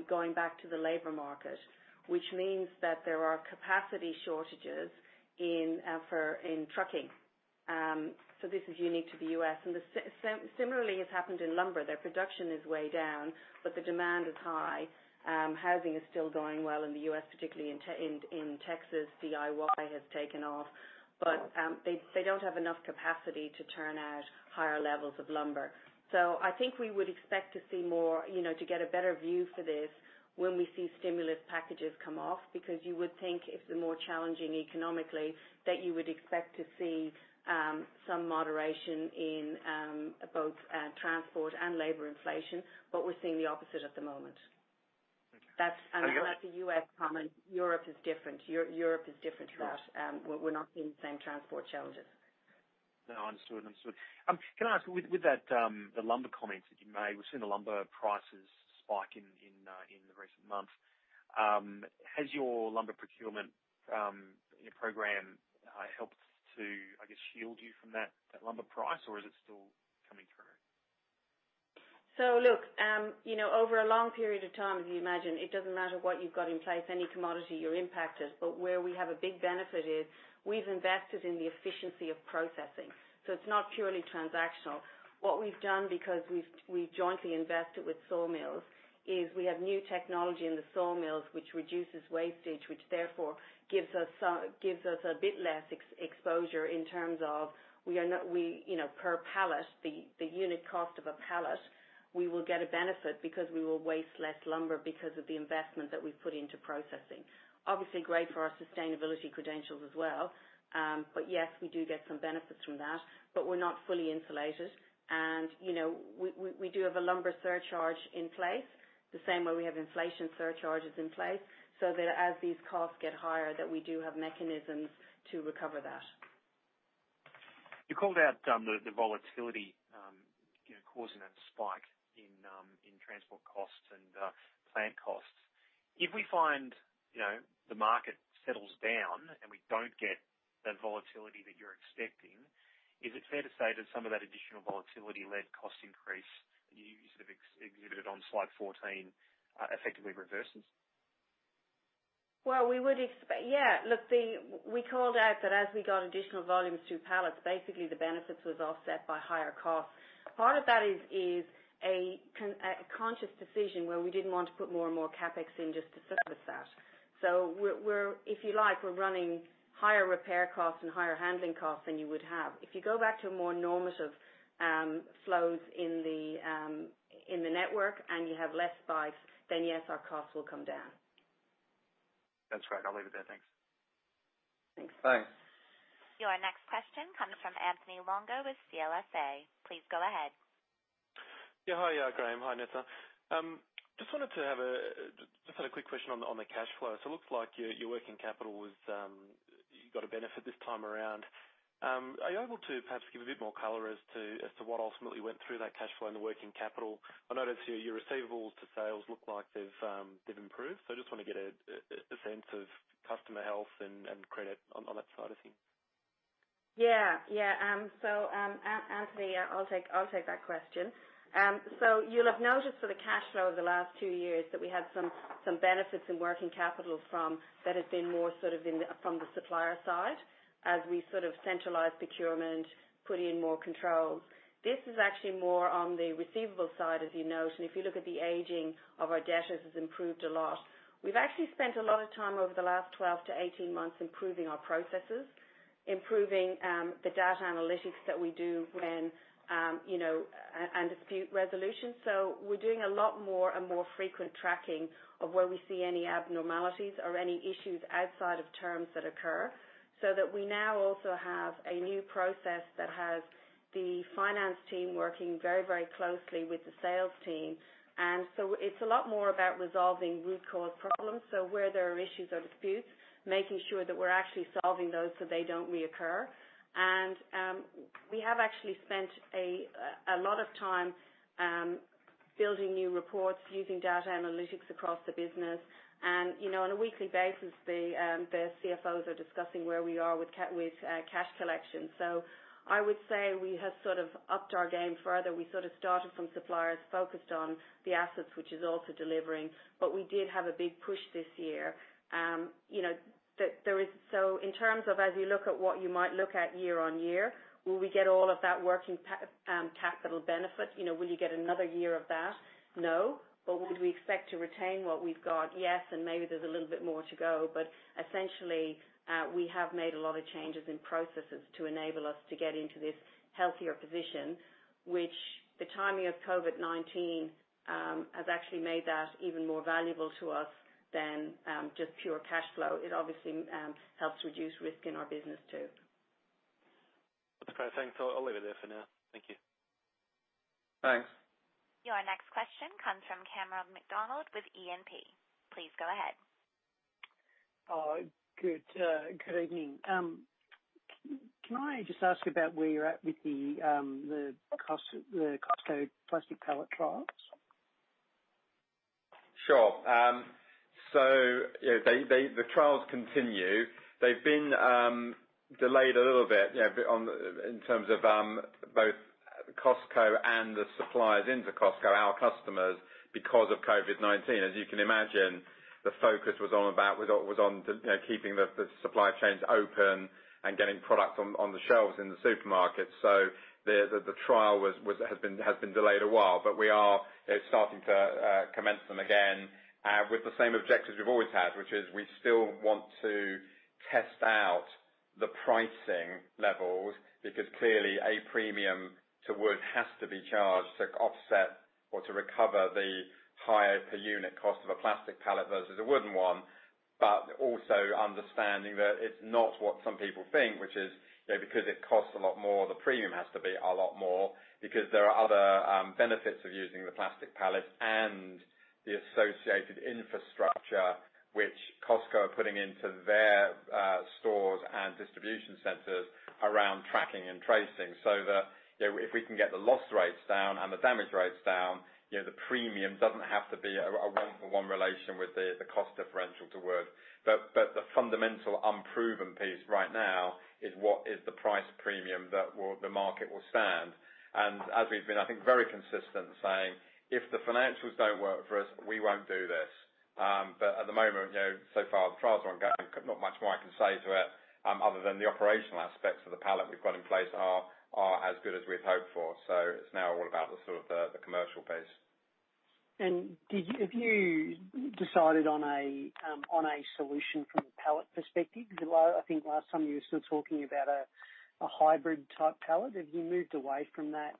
going back to the labor market, which means that there are capacity shortages in trucking. This is unique to the U.S. Similarly has happened in lumber. Their production is way down, but the demand is high. Housing is still going well in the U.S., particularly in Texas. DIY has taken off. They don't have enough capacity to turn out higher levels of lumber. I think we would expect to see more, to get a better view for this when we see stimulus packages come off, because you would think if they're more challenging economically, that you would expect to see some moderation in both transport and labor inflation. We're seeing the opposite at the moment. Thank you. That's a U.S. comment. Europe is different. Europe is different to that. We're not seeing the same transport challenges. No, understood. Can I ask, with the lumber comments that you made, we've seen the lumber prices spike in the recent months. Has your lumber procurement program helped to, I guess, shield you from that lumber price, or is it still coming through? Look, over a long period of time, as you imagine, it doesn't matter what you've got in place, any commodity you're impacted. Where we have a big benefit is we've invested in the efficiency of processing. It's not purely transactional. What we've done, because we've jointly invested with sawmills, is we have new technology in the sawmills which reduces wastage, which therefore gives us a bit less exposure in terms of per pallet, the unit cost of a pallet. We will get a benefit because we will waste less lumber because of the investment that we've put into processing. Obviously, great for our sustainability credentials as well. Yes, we do get some benefits from that, but we're not fully insulated. We do have a lumber surcharge in place, the same way we have inflation surcharges in place, so that as these costs get higher, that we do have mechanisms to recover that. You called out the volatility causing a spike in transport costs and plant costs. If we find the market settles down and we don't get that volatility that you're expecting, is it fair to say that some of that additional volatility-led cost increase you sort of exhibited on slide 14 effectively reverses? Yeah. Look, we called out that as we got additional volumes through pallets, basically the benefits was offset by higher costs. Part of that is a conscious decision where we didn't want to put more and more CapEx in just to service that. If you like, we're running higher repair costs and higher handling costs than you would have. If you go back to a more normative flows in the network and you have less spikes, then yes, our costs will come down. That's great. I'll leave it there. Thanks. Thanks. Thanks. Your next question comes from Anthony Longo with CLSA. Please go ahead. Yeah. Hi, Graham. Hi, Nessa. Just had a quick question on the cash flow. Looks like your working capital, you got a benefit this time around. Are you able to perhaps give a bit more color as to what ultimately went through that cash flow in the working capital? I notice your receivables to sales look like they've improved. I just want to get a sense of customer health and credit on that side of things. Yeah. Anthony, I'll take that question. You'll have noticed for the cash flow over the last two years that we had some benefits in working capital that had been more from the supplier side as we centralized procurement, put in more controls. This is actually more on the receivable side, as you note. If you look at the aging of our debtors, it's improved a lot. We've actually spent a lot of time over the last 12-18 months improving our processes, improving the data analytics that we do and dispute resolution. We're doing a lot more and more frequent tracking of where we see any abnormalities or any issues outside of terms that occur, so that we now also have a new process that has the finance team working very closely with the sales team. It's a lot more about resolving root cause problems. Where there are issues or disputes, making sure that we're actually solving those so they don't reoccur. We have actually spent a lot of time building new reports using data analytics across the business. On a weekly basis, the CFOs are discussing where we are with cash collection. I would say we have upped our game further. We started from suppliers focused on the assets, which is also delivering. We did have a big push this year. In terms of as you look at what you might look at year on year, will we get all of that working capital benefit? Will you get another year of that? No. Would we expect to retain what we've got? Yes. Maybe there's a little bit more to go. Essentially, we have made a lot of changes in processes to enable us to get into this healthier position, which the timing of COVID-19 has actually made that even more valuable to us than just pure cash flow. It obviously helps reduce risk in our business, too. That's great. Thanks. I'll leave it there for now. Thank you. Thanks. Your next question comes from Cameron McDonald with E&P. Please go ahead. Good evening. Can I just ask about where you're at with the Costco plastic pallet trials? Sure. The trials continue. They've been delayed a little bit in terms of both Costco and the suppliers into Costco, our customers, because of COVID-19. As you can imagine, the focus was on keeping the supply chains open and getting product on the shelves in the supermarket. The trial has been delayed a while, but we are starting to commence them again with the same objectives we've always had, which is we still want to test out the pricing levels because clearly a premium to wood has to be charged to offset or to recover the higher per unit cost of a plastic pallet versus a wooden one. Also understanding that it's not what some people think, which is because it costs a lot more, the premium has to be a lot more because there are other benefits of using the plastic pallet and the associated infrastructure which Costco are putting into their stores and distribution centers around tracking and tracing. If we can get the loss rates down and the damage rates down, the premium doesn't have to be a one-for-one relation with the cost differential to wood. The fundamental unproven piece right now is what is the price premium that the market will stand? As we've been, I think, very consistent saying, if the financials don't work for us, we won't do this. At the moment, so far the trials are ongoing. Not much more I can say to it, other than the operational aspects of the pallet we've got in place are as good as we'd hoped for. It's now all about the commercial piece. Have you decided on a solution from a pallet perspective? I think last time you were still talking about a hybrid type pallet. Have you moved away from that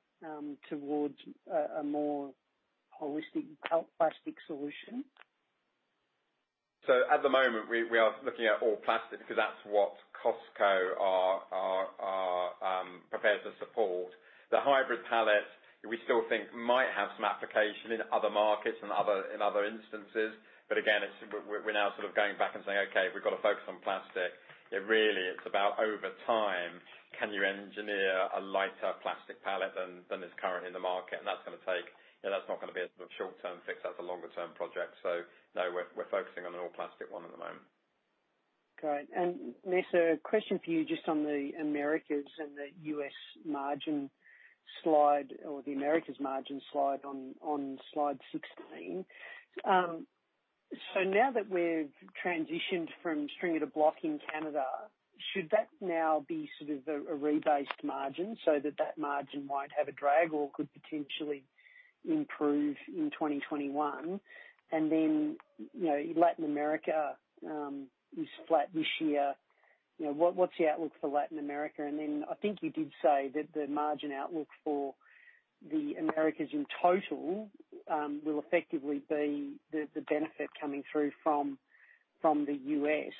towards a more holistic plastic solution? At the moment, we are looking at all plastic because that's what Costco are prepared to support. The hybrid pallet, we still think might have some application in other markets and in other instances. Again, we're now going back and saying, "Okay, we've got to focus on plastic." It really it's about over time, can you engineer a lighter plastic pallet than is currently in the market? That's not going to be a short-term fix, that's a longer-term project. No, we're focusing on an all plastic one at the moment. Great. Nessa, a question for you just on the Americas and the U.S. margin slide or the Americas margin slide on Slide 16. Now that we've transitioned from stringer to block in Canada, should that now be sort of a rebased margin so that that margin won't have a drag or could potentially improve in 2021? Latin America is flat this year. What's the outlook for Latin America? I think you did say that the margin outlook for the Americas in total, will effectively be the benefit coming through from the U.S.,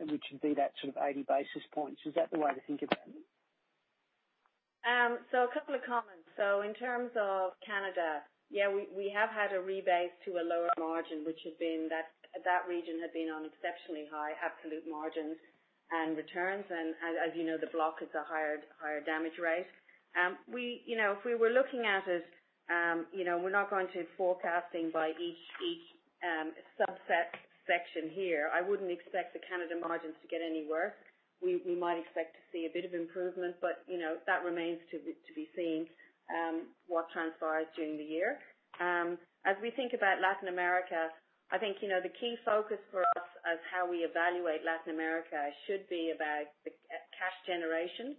which would be that sort of 80 basis points. Is that the way to think about it? A couple of comments. In terms of Canada, yeah, we have had a rebase to a lower margin, which has been that region had been on exceptionally high absolute margins and returns. As you know, the block is a higher damage rate. If we were looking at it, we're not going to forecasting by each subset section here. I wouldn't expect the Canada margins to get any worse. We might expect to see a bit of improvement, but that remains to be seen what transpires during the year. As we think about Latin America, I think, the key focus for us of how we evaluate Latin America should be about the cash generation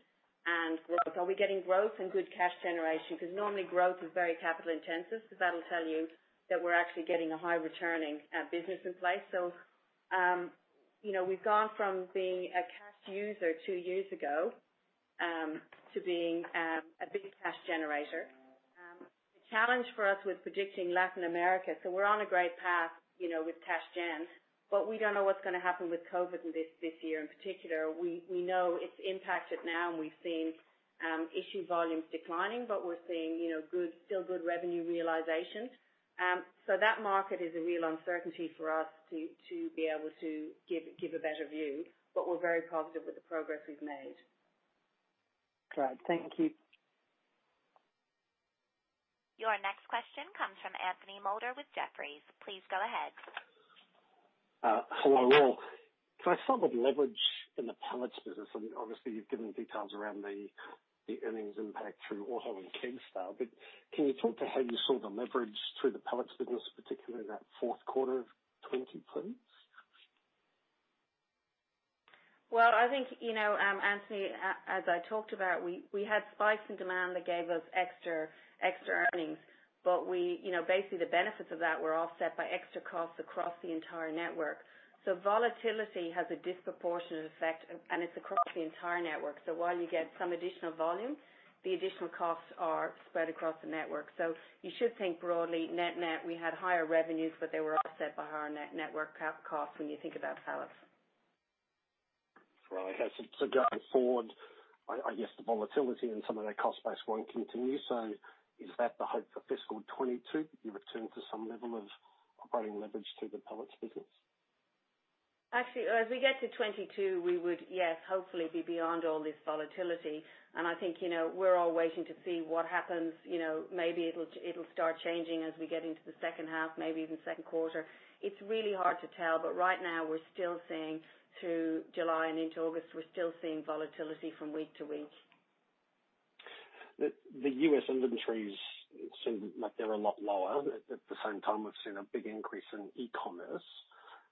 and growth. Are we getting growth and good cash generation? Because normally growth is very capital intensive. That'll tell you that we're actually getting a high returning business in place. We've gone from being a cash user two years ago to being a big cash generator. The challenge for us with predicting Latin America, so we're on a great path with cash gen, but we don't know what's going to happen with COVID-19 in this year in particular. We know it's impacted now and we've seen issue volumes declining, but we're seeing still good revenue realization. That market is a real uncertainty for us to be able to give a better view. We're very positive with the progress we've made. Great. Thank you. Your next question comes from Anthony Moulder with Jefferies. Please go ahead. Hello, all. Can I start with leverage in the pallets business? I mean, obviously, you've given details around the earnings impact through Auto and Kegstar. Can you talk to how you saw the leverage through the pallets business, particularly in that fourth quarter of 2020, please? I think, Anthony, as I talked about, we had spikes in demand that gave us extra earnings. Basically, the benefits of that were offset by extra costs across the entire network. Volatility has a disproportionate effect, and it's across the entire network. While you get some additional volume, the additional costs are spread across the network. You should think broadly net-net, we had higher revenues, but they were offset by higher network costs when you think about pallets. Right. Going forward, I guess the volatility and some of the cost base won't continue. Is that the hope for fiscal 2022, that you return to some level of operating leverage to the pallets business? Actually, as we get to 2022, we would, yes, hopefully be beyond all this volatility. I think, we're all waiting to see what happens. Maybe it'll start changing as we get into the second half, maybe even second quarter. It's really hard to tell, but right now, we're still seeing through July and into August, we're still seeing volatility from week to week. The U.S. inventories seem like they're a lot lower. At the same time, we've seen a big increase in e-commerce.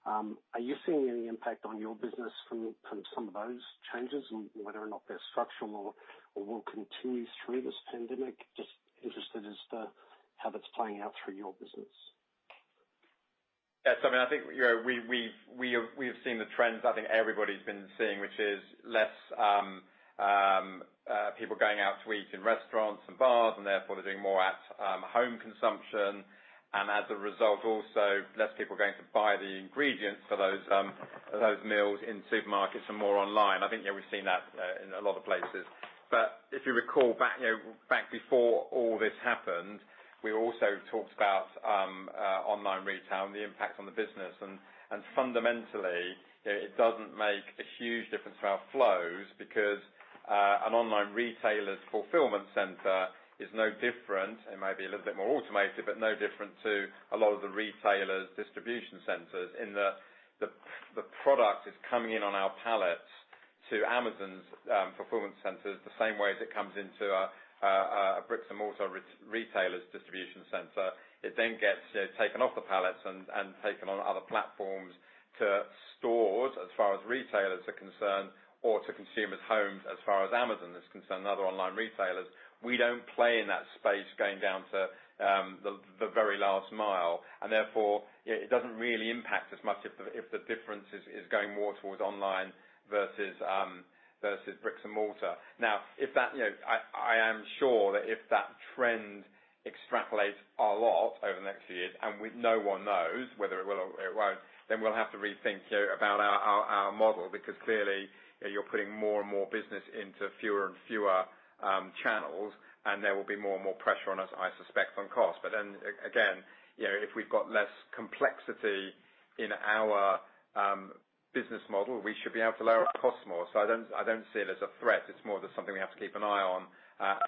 Are you seeing any impact on your business from some of those changes and whether or not they're structural or will continue through this pandemic? Just interested as to how that's playing out through your business. Yes. I mean, I think we have seen the trends I think everybody's been seeing, which is less people going out to eat in restaurants and bars, therefore they're doing more at home consumption. As a result, also, less people are going to buy the ingredients for those meals in supermarkets and more online. I think, yeah, we've seen that in a lot of places. If you recall back before all this happened, we also talked about online retail and the impact on the business. Fundamentally, it doesn't make a huge difference to our flows because an online retailer's fulfillment center is no different. It may be a little bit more automated, but no different to a lot of the retailers' distribution centers. The product is coming in on our pallets to Amazon's fulfillment centers the same way as it comes into a bricks-and-mortar retailer's distribution center. It then gets taken off the pallets and taken on other platforms to stores as far as retailers are concerned or to consumers' homes as far as Amazon is concerned and other online retailers. We don't play in that space going down to the very last mile. Therefore, it doesn't really impact us much if the difference is going more towards online versus bricks and mortar. I am sure that if that trend extrapolates a lot over the next few years, and no one knows whether it will or it won't, then we'll have to rethink about our model, because clearly, you're putting more and more business into fewer and fewer channels, and there will be more and more pressure on us, I suspect, on cost. If we've got less complexity in our business model, we should be able to lower our costs more. I don't see it as a threat. It's more just something we have to keep an eye on,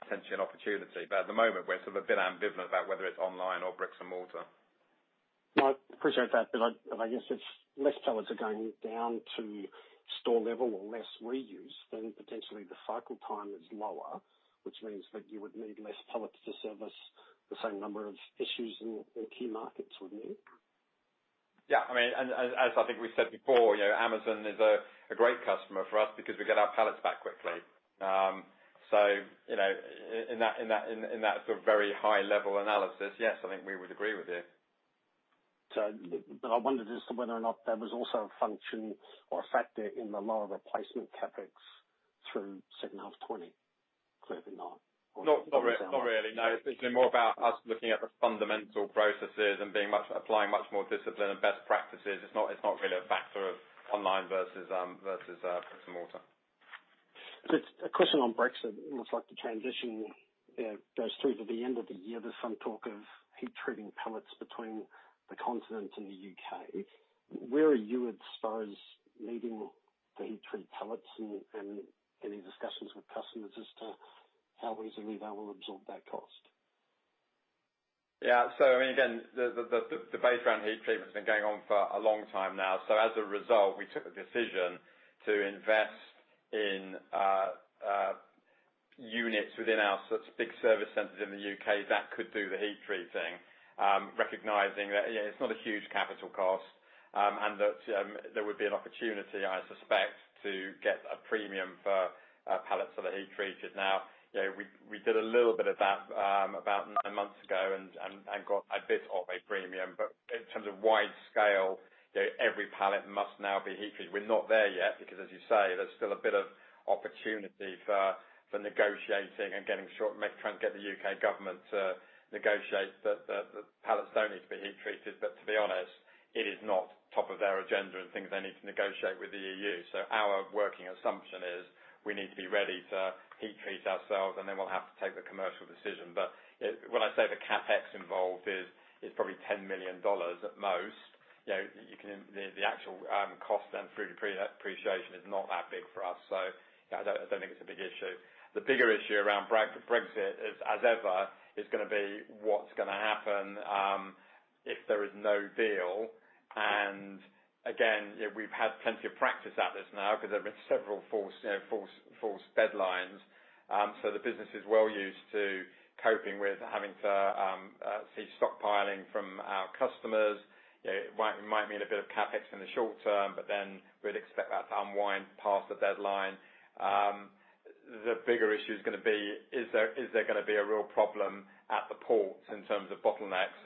potentially an opportunity. At the moment, we're sort of a bit ambivalent about whether it's online or bricks and mortar. No, I appreciate that, but I guess it's less pallets are going down to store level or less reuse, then potentially the cycle time is lower, which means that you would need less pallets to service the same number of issues in the key markets would need. Yeah. As I think we said before, Amazon is a great customer for us because we get our pallets back quickly. In that sort of very high-level analysis, yes, I think we would agree with you. I wondered as to whether or not there was also a function or a factor in the lower replacement CapEx through second half 2020. Clearly not. Not really, no. It's been more about us looking at the fundamental processes and applying much more discipline and best practices. It's not really a factor of online versus bricks and mortar. A question on Brexit. It looks like the transition goes through to the end of the year. There's some talk of heat-treating pallets between the Continent and the U.K. Where are you, I suppose, needing the heat-treated pallets and any discussions with customers as to how easily they will absorb that cost? Again, the debate around heat treatment's been going on for a long time now. As a result, we took a decision to invest in units within our big service centers in the U.K. that could do the heat treating, recognizing that it's not a huge capital cost and that there would be an opportunity, I suspect, to get a premium for pallets that are heat-treated now. We did a little bit of that about nine months ago and got a bit of a premium. In terms of wide scale, every pallet must now be heat-treated. We're not there yet because, as you say, there's still a bit of opportunity for negotiating and trying to get the U.K. government to negotiate that the pallets don't need to be heat treated. To be honest, it is not top of their agenda and things they need to negotiate with the EU. Our working assumption is we need to be ready to heat treat ourselves, and then we'll have to take the commercial decision. When I say the CapEx involved is probably $10 million at most. The actual cost then through depreciation is not that big for us, so I don't think it's a big issue. The bigger issue around Brexit is, as ever, is going to be what's going to happen if there is no deal. Again, we've had plenty of practice at this now because there have been several false deadlines. The business is well used to coping with having to see stockpiling from our customers. It might mean a bit of CapEx in the short term, but then we'd expect that to unwind past the deadline. The bigger issue is going to be, is there going to be a real problem at the ports in terms of bottlenecks?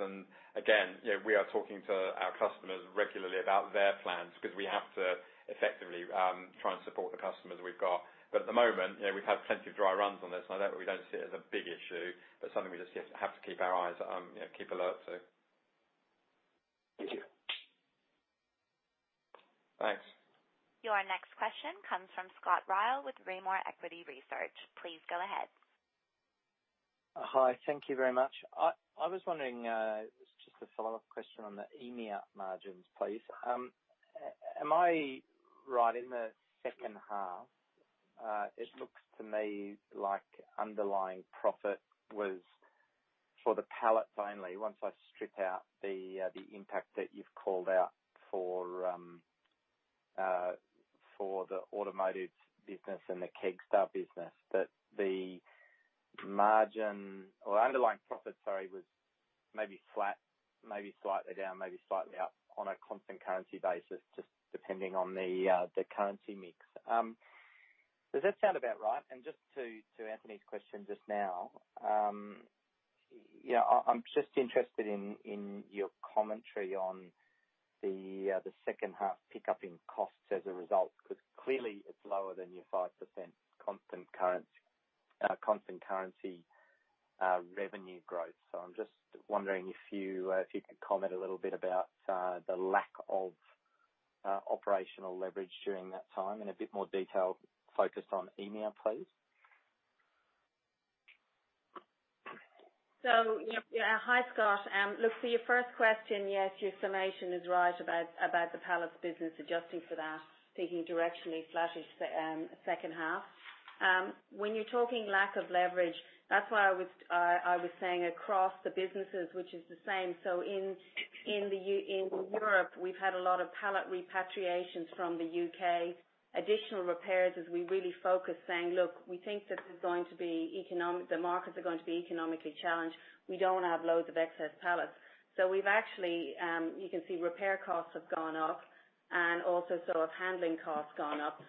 Again, we are talking to our customers regularly about their plans because we have to effectively try and support the customers we've got. At the moment, we've had plenty of dry runs on this, and we don't see it as a big issue, but something we just have to keep our eyes on, keep alert to. Thank you. Thanks. Your next question comes from Scott Ryall with Rimor Equity Research. Please go ahead. Hi. Thank you very much. I was wondering, just a follow-up question on the EMEA margins, please. Am I right? In the second half, it looks to me like underlying profit was for the pallets only. Once I strip out the impact that you've called out for the automotive business and the Kegstar business, that the margin or underlying profit, sorry, was maybe flat, maybe slightly down, maybe slightly up on a constant currency basis, just depending on the currency mix. Does that sound about right? Just to Anthony's question just now, I'm just interested in your commentary on the second half pickup in costs as a result, because clearly it's lower than your 5% constant currency revenue growth. I'm just wondering if you could comment a little bit about the lack of operational leverage during that time in a bit more detail focused on EMEA, please. Hi, Scott. Look, for your first question, yes, your summation is right about the pallets business, adjusting for that, taking directionally flattish second half. When you're talking lack of leverage, that's why I was saying across the businesses, which is the same. In Europe, we've had a lot of pallet repatriations from the U.K., additional repairs as we really focus saying, "Look, we think the markets are going to be economically challenged. We don't want to have loads of excess pallets." We've actually, you can see repair costs have gone up and also handling costs gone up.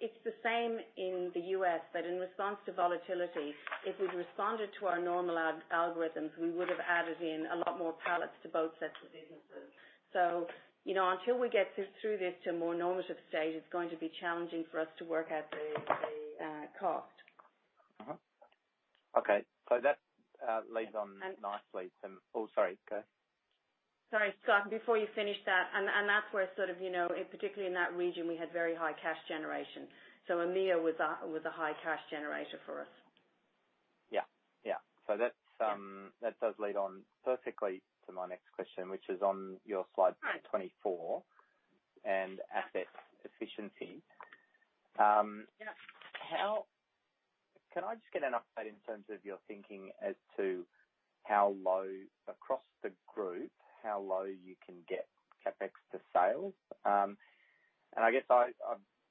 It's the same in the U.S., but in response to volatility, if we'd responded to our normal algorithms, we would have added in a lot more pallets to both sets of businesses. Until we get through this to a more normative state, it's going to be challenging for us to work out the cost. Mm-hmm. Okay. That leads on nicely then. Sorry, go ahead. Sorry, Scott, before you finish that's where sort of, particularly in that region, we had very high cash generation. EMEA was a high cash generator for us. Yeah. That does lead on perfectly to my next question, which is on your slide 24 and asset efficiency. Yeah. Can I just get an update in terms of your thinking as to how low across the group, how low you can get CapEx to sales? I guess I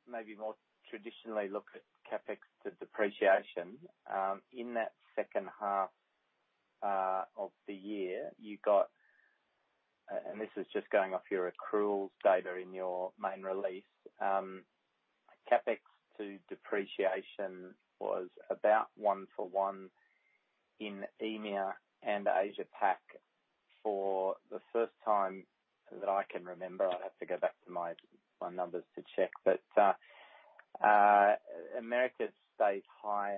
maybe more traditionally look at CapEx to depreciation. In that second half of the year, you got, and this is just going off your accruals data in your main release, CapEx to depreciation was about one for one in EMEA and Asia Pac for the first time that I can remember. I'd have to go back to my numbers to check. Americas stayed higher,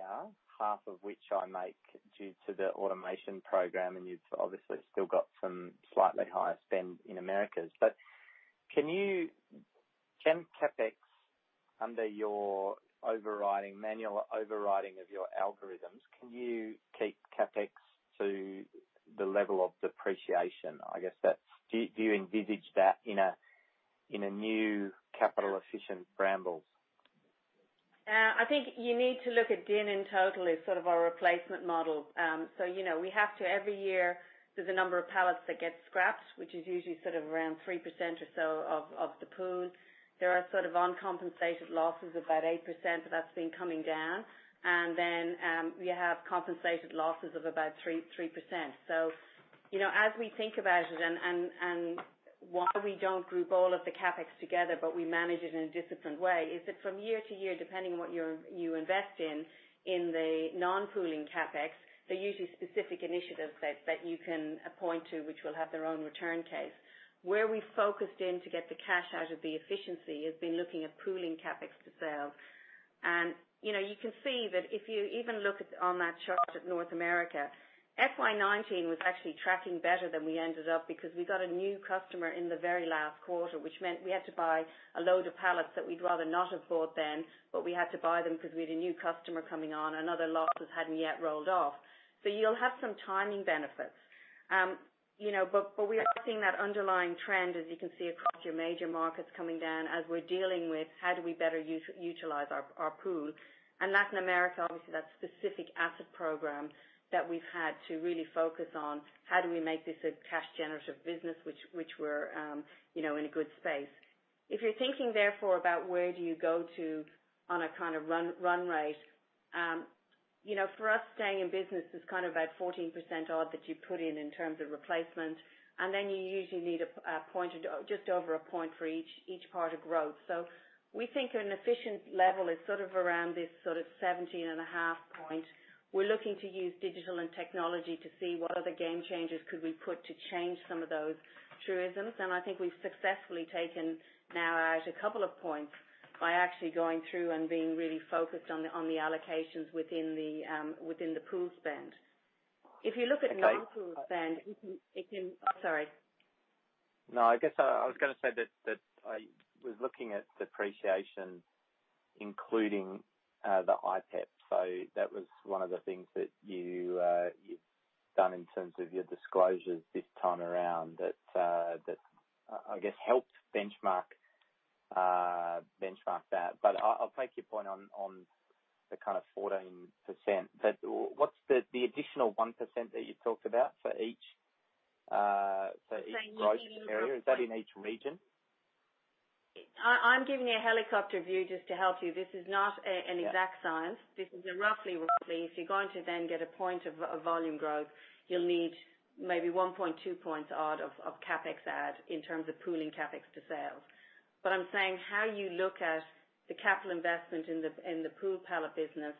half of which I make due to the automation program, and you've obviously still got some slightly higher spend in Americas. Can CapEx, under your overriding manual overriding of your algorithms, can you keep CapEx to the level of depreciation? I guess, do you envisage that in a new capital efficient Brambles? I think you need to look at D&A in total as sort of our replacement model. Every year, there's a number of pallets that get scrapped, which is usually around 3% or so of the pool. There are uncompensated losses of about 8%, but that's been coming down. Then you have compensated losses of about 3%. As we think about it and why we don't group all of the CapEx together, but we manage it in a disciplined way, is that from year to year, depending on what you invest in the non-pooling CapEx, they're usually specific initiatives that you can point to which will have their own return case. Where we focused in to get the cash out of the efficiency has been looking at pooling CapEx to sales. You can see that if you even look on that chart at North America, FY 2019 was actually tracking better than we ended up because we got a new customer in the very last quarter, which meant we had to buy a load of pallets that we'd rather not have bought then, but we had to buy them because we had a new customer coming on and other losses hadn't yet rolled off. You'll have some timing benefits. We are seeing that underlying trend, as you can see across your major markets coming down as we're dealing with how do we better utilize our pool. Latin America, obviously, that specific asset program that we've had to really focus on how do we make this a cash generative business, which we're in a good space. If you're thinking therefore about where do you go to on a kind of run rate, for us staying in business is kind of about 14% odd that you put in in terms of replacement, and then you usually need just over a point for each part of growth. We think an efficient level is sort of around this sort of 17.5 point. We're looking to use digital and technology to see what other game changes could we put to change some of those truisms. I think we've successfully taken now out a couple of points by actually going through and being really focused on the allocations within the pool spend. If you look at non-pool spend, it can Sorry. I guess I was going to say that I was looking at depreciation, including the IPEP. That was one of the things that you've done in terms of your disclosures this time around that, I guess, helped benchmark that. I'll take your point on the kind of 14%. What's the additional 1% that you talked about for each growth area? Is that in each region? I'm giving you a helicopter view just to help you. This is not an exact science. This is a roughly. If you're going to then get a point of volume growth, you'll need maybe 1.2 points odd of CapEx add in terms of pooling CapEx to sales. I'm saying how you look at the capital investment in the pool pallet business,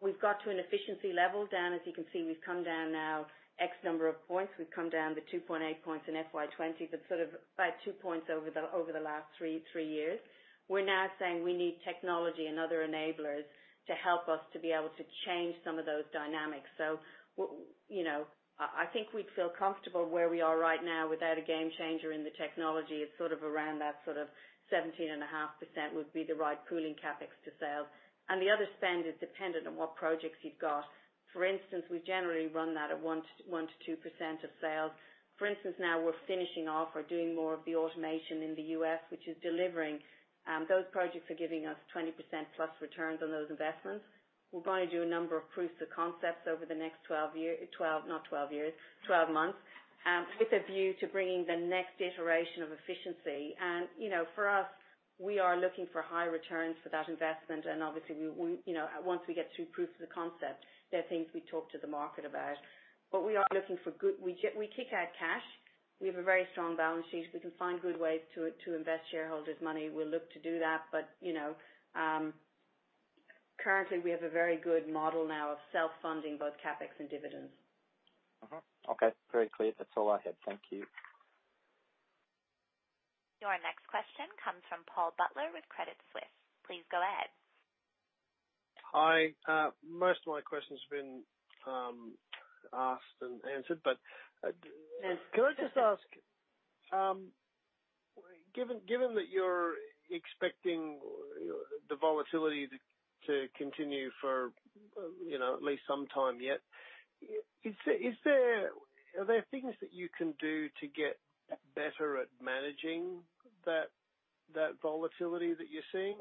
we've got to an efficiency level down. As you can see, we've come down now X number of points. We've come down to 2.8 points in FY 2020, but sort of about two points over the last three years. We're now saying we need technology and other enablers to help us to be able to change some of those dynamics. I think we'd feel comfortable where we are right now without a game changer in the technology. It's sort of around that sort of 17.5% would be the right pooling CapEx to sales. The other spend is dependent on what projects you've got. For instance, we generally run that at 1%-2% of sales. For instance, now we're finishing off or doing more of the automation in the U.S., which is delivering. Those projects are giving us 20% plus returns on those investments. We're going to do a number of proofs of concepts over the next 12 months with a view to bringing the next iteration of efficiency. For us, we are looking for high returns for that investment. Obviously once we get through proof of the concept, there are things we talk to the market about. We are looking for good. We kick out cash. We have a very strong balance sheet. We can find good ways to invest shareholders' money. We'll look to do that. Currently we have a very good model now of self-funding both CapEx and dividends. Mm-hmm. Okay. Very clear. That's all I had. Thank you. Your next question comes from Paul Butler with Credit Suisse. Please go ahead. Hi. Most of my questions have been asked and answered. Could I just ask, given that you're expecting the volatility to continue for at least some time yet, are there things that you can do to get better at managing that volatility that you're seeing?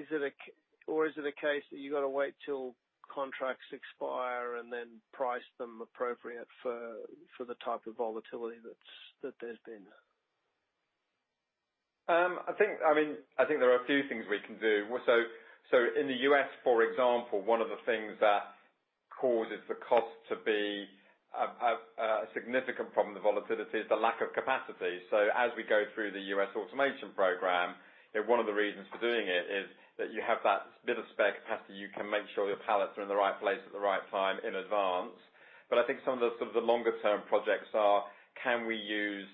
Is it a case that you got to wait till contracts expire and then price them appropriate for the type of volatility that there's been? I think there are a few things we can do. In the U.S., for example, one of the things that causes the cost to be a significant problem with the volatility is the lack of capacity. As we go through the U.S. Automation Program, one of the reasons for doing it is that you have that bit of spare capacity. You can make sure your pallets are in the right place at the right time in advance. I think some of the longer-term projects are, can we use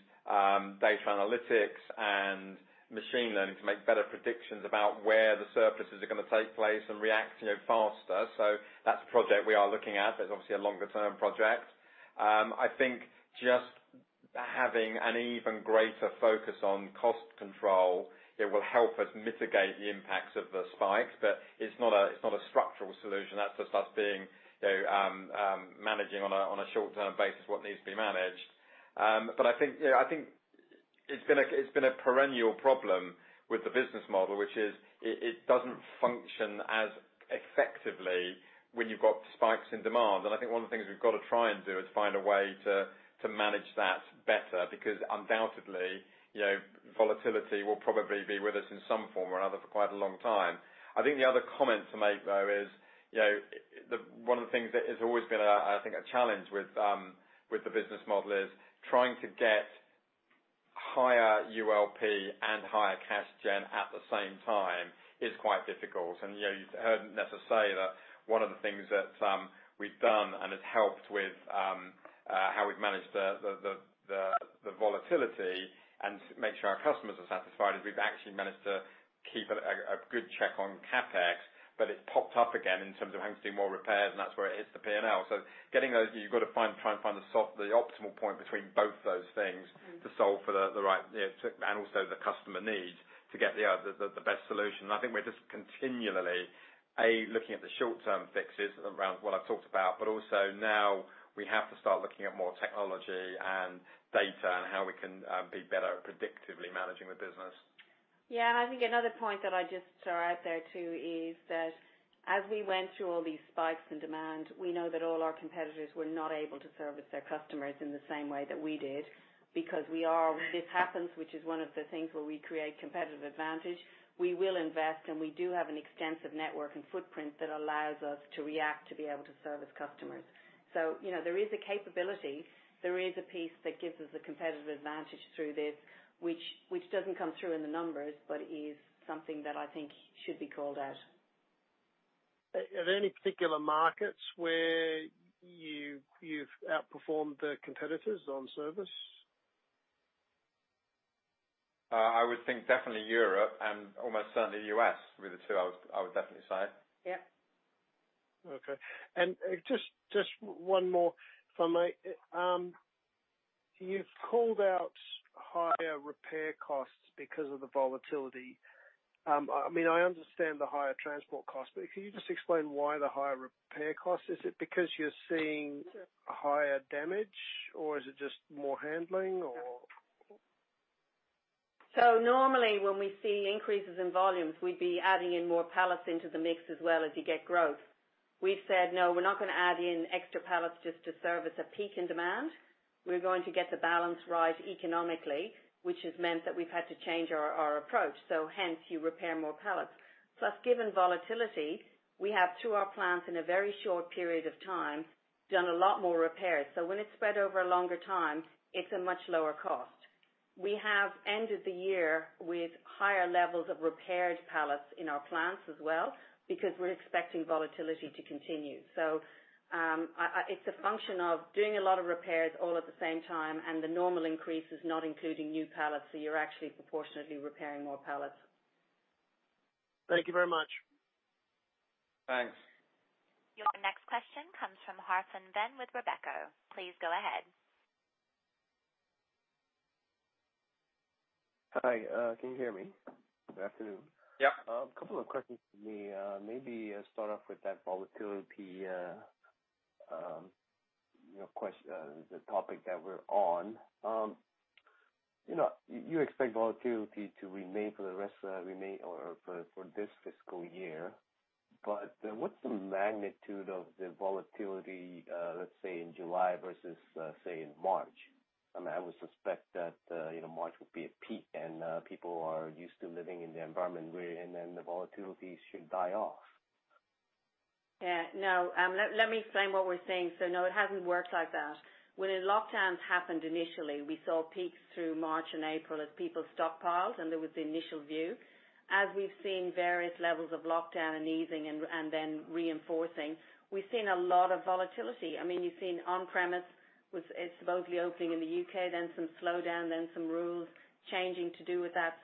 data analytics and machine learning to make better predictions about where the surpluses are going to take place and react faster? That's a project we are looking at. That's obviously a longer-term project. I think just having an even greater focus on cost control, it will help us mitigate the impacts of the spikes. It's not a structural solution. That's just us managing on a short-term basis what needs to be managed. I think it's been a perennial problem with the business model, which is it doesn't function as effectively when you've got spikes in demand. I think one of the things we've got to try and do is find a way to manage that better, because undoubtedly, volatility will probably be with us in some form or another for quite a long time. The other comment to make, though, is one of the things that has always been, I think, a challenge with the business model is trying to get higher ULP and higher cash gen at the same time is quite difficult. You heard Nessa say that one of the things that we've done and has helped with how we've managed the volatility and made sure our customers are satisfied is we've actually managed to keep a good check on CapEx. It popped up again in terms of having to do more repairs, and that's where it hits the P&L. You got to try and find the optimal point between both those things to solve for the customer need to get the best solution. I think we're just continually, A, looking at the short-term fixes around what I've talked about, but also now we have to start looking at more technology and data and how we can be better at predictively managing the business. Yeah. I think another point that I just throw out there, too, is that as we went through all these spikes in demand, we know that all our competitors were not able to service their customers in the same way that we did, because this happens, which is one of the things where we create competitive advantage. We will invest, and we do have an extensive network and footprint that allows us to react to be able to service customers. There is a capability. There is a piece that gives us a competitive advantage through this, which doesn't come through in the numbers, but is something that I think should be called out. Are there any particular markets where you've outperformed the competitors on service? I would think definitely Europe and almost certainly U.S. were the two I would definitely say. Yeah. Okay. Just one more if I may. You've called out higher repair costs because of the volatility. I understand the higher transport cost, can you just explain why the higher repair cost? Is it because you're seeing higher damage, or is it just more handling or? Normally, when we see increases in volumes, we'd be adding in more pallets into the mix as well as you get growth. We said, no, we're not going to add in extra pallets just to service a peak in demand. We're going to get the balance right economically, which has meant that we've had to change our approach. Hence you repair more pallets. Given volatility, we have through our plants in a very short period of time, done a lot more repairs. When it's spread over a longer time, it's a much lower cost. We have ended the year with higher levels of repaired pallets in our plants as well because we're expecting volatility to continue. It's a function of doing a lot of repairs all at the same time and the normal increase is not including new pallets, so you're actually proportionately repairing more pallets. Thank you very much. Thanks. Your next question comes from uncertain with Rebecca. Please go ahead. Hi. Can you hear me? Good afternoon. Yeah. A couple of questions for me. Maybe start off with that volatility, the topic that we're on. You expect volatility to remain for this fiscal year. What's the magnitude of the volatility, let's say in July versus, say, in March? I would suspect that March would be a peak and people are used to living in the environment where and then the volatility should die off. No, let me explain what we're seeing. No, it hasn't worked like that. When the lockdowns happened initially, we saw peaks through March and April as people stockpiled, and there was the initial view. As we've seen various levels of lockdown and easing and then reinforcing, we've seen a lot of volatility. You've seen on-premise, it supposedly opening in the U.K., then some slowdown, then some rules changing to do with that.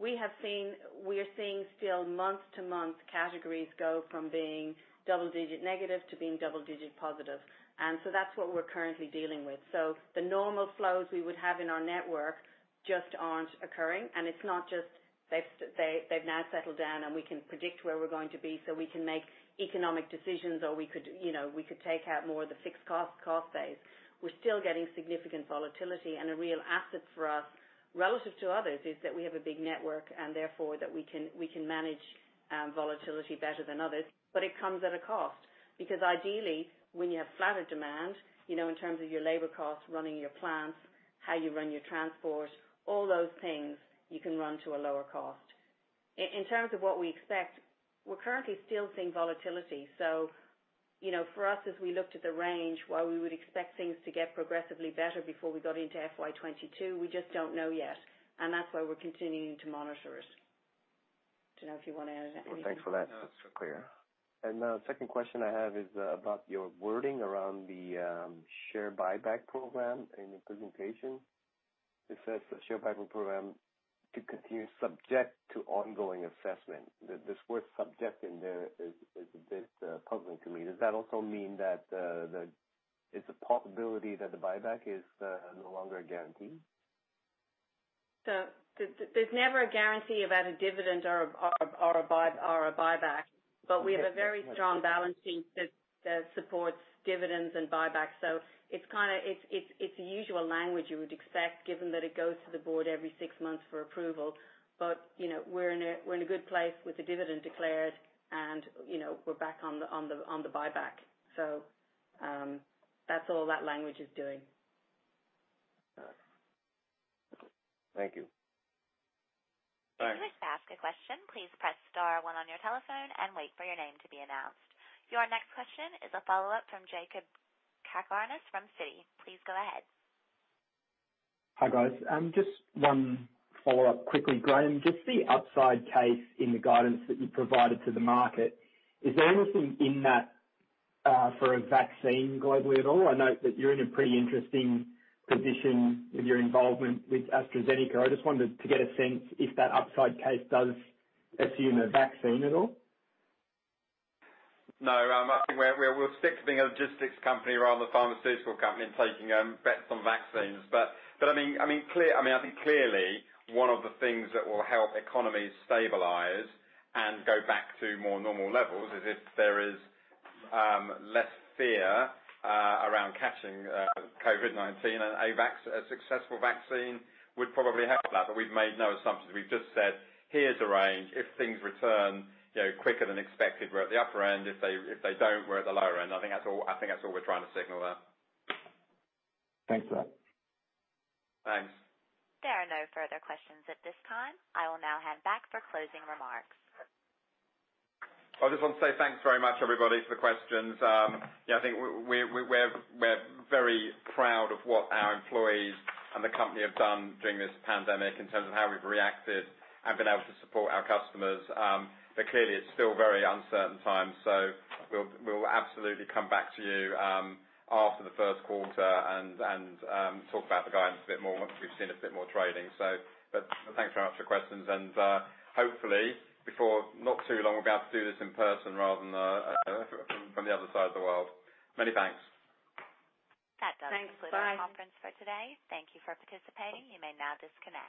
We are seeing still month-to-month categories go from being double-digit negative to being double-digit positive. That's what we're currently dealing with. The normal flows we would have in our network just aren't occurring. It's not just they've now settled down and we can predict where we're going to be so we can make economic decisions or we could take out more of the fixed cost base. We're still getting significant volatility. A real asset for us relative to others is that we have a big network and therefore we can manage volatility better than others. It comes at a cost because ideally, when you have flatter demand in terms of your labor costs, running your plants, how you run your transport, all those things you can run to a lower cost. In terms of what we expect, we're currently still seeing volatility. For us, as we looked at the range, while we would expect things to get progressively better before we got into FY 2022, we just don't know yet. That's why we're continuing to monitor it. Don't know if you want to add anything. Well, thanks for that. That's clear. Second question I have is about your wording around the share buyback program in the presentation. It says the share buyback program to continue subject to ongoing assessment. This word subject in there is a bit puzzling to me. Does that also mean that there's a possibility that the buyback is no longer a guarantee? There's never a guarantee about a dividend or a buyback, but we have a very strong balance sheet that supports dividends and buybacks. It's the usual language you would expect given that it goes to the board every six months for approval. We're in a good place with the dividend declared, and we're back on the buyback. That's all that language is doing. Thank you. Your next question is a follow-up from Jakob Cakarnis from Citi. Please go ahead. Hi, guys. Just one follow-up quickly. Graham, just the upside case in the guidance that you provided to the market, is there anything in that for a vaccine globally at all? I know that you're in a pretty interesting position with your involvement with AstraZeneca. I just wanted to get a sense if that upside case does assume a vaccine at all. No. I think we'll stick to being a logistics company rather than a pharmaceutical company and taking bets on vaccines. I think clearly one of the things that will help economies stabilize and go back to more normal levels is if there is less fear around catching COVID-19 and a successful vaccine would probably help that. We've made no assumptions. We've just said, here's a range. If things return quicker than expected, we're at the upper end. If they don't, we're at the lower end. I think that's all we're trying to signal there. Thanks for that. Thanks. There are no further questions at this time. I will now hand back for closing remarks. I just want to say thanks very much everybody for the questions. I think we're very proud of what our employees and the company have done during this pandemic in terms of how we've reacted and been able to support our customers. Clearly it's still very uncertain times, so we'll absolutely come back to you after the first quarter and talk about the guidance a bit more once we've seen a bit more trading. Thanks very much for your questions and hopefully before not too long we'll be able to do this in person rather than from the other side of the world. Many thanks. Thanks. Bye. That does conclude our conference for today. Thank you for participating. You may now disconnect.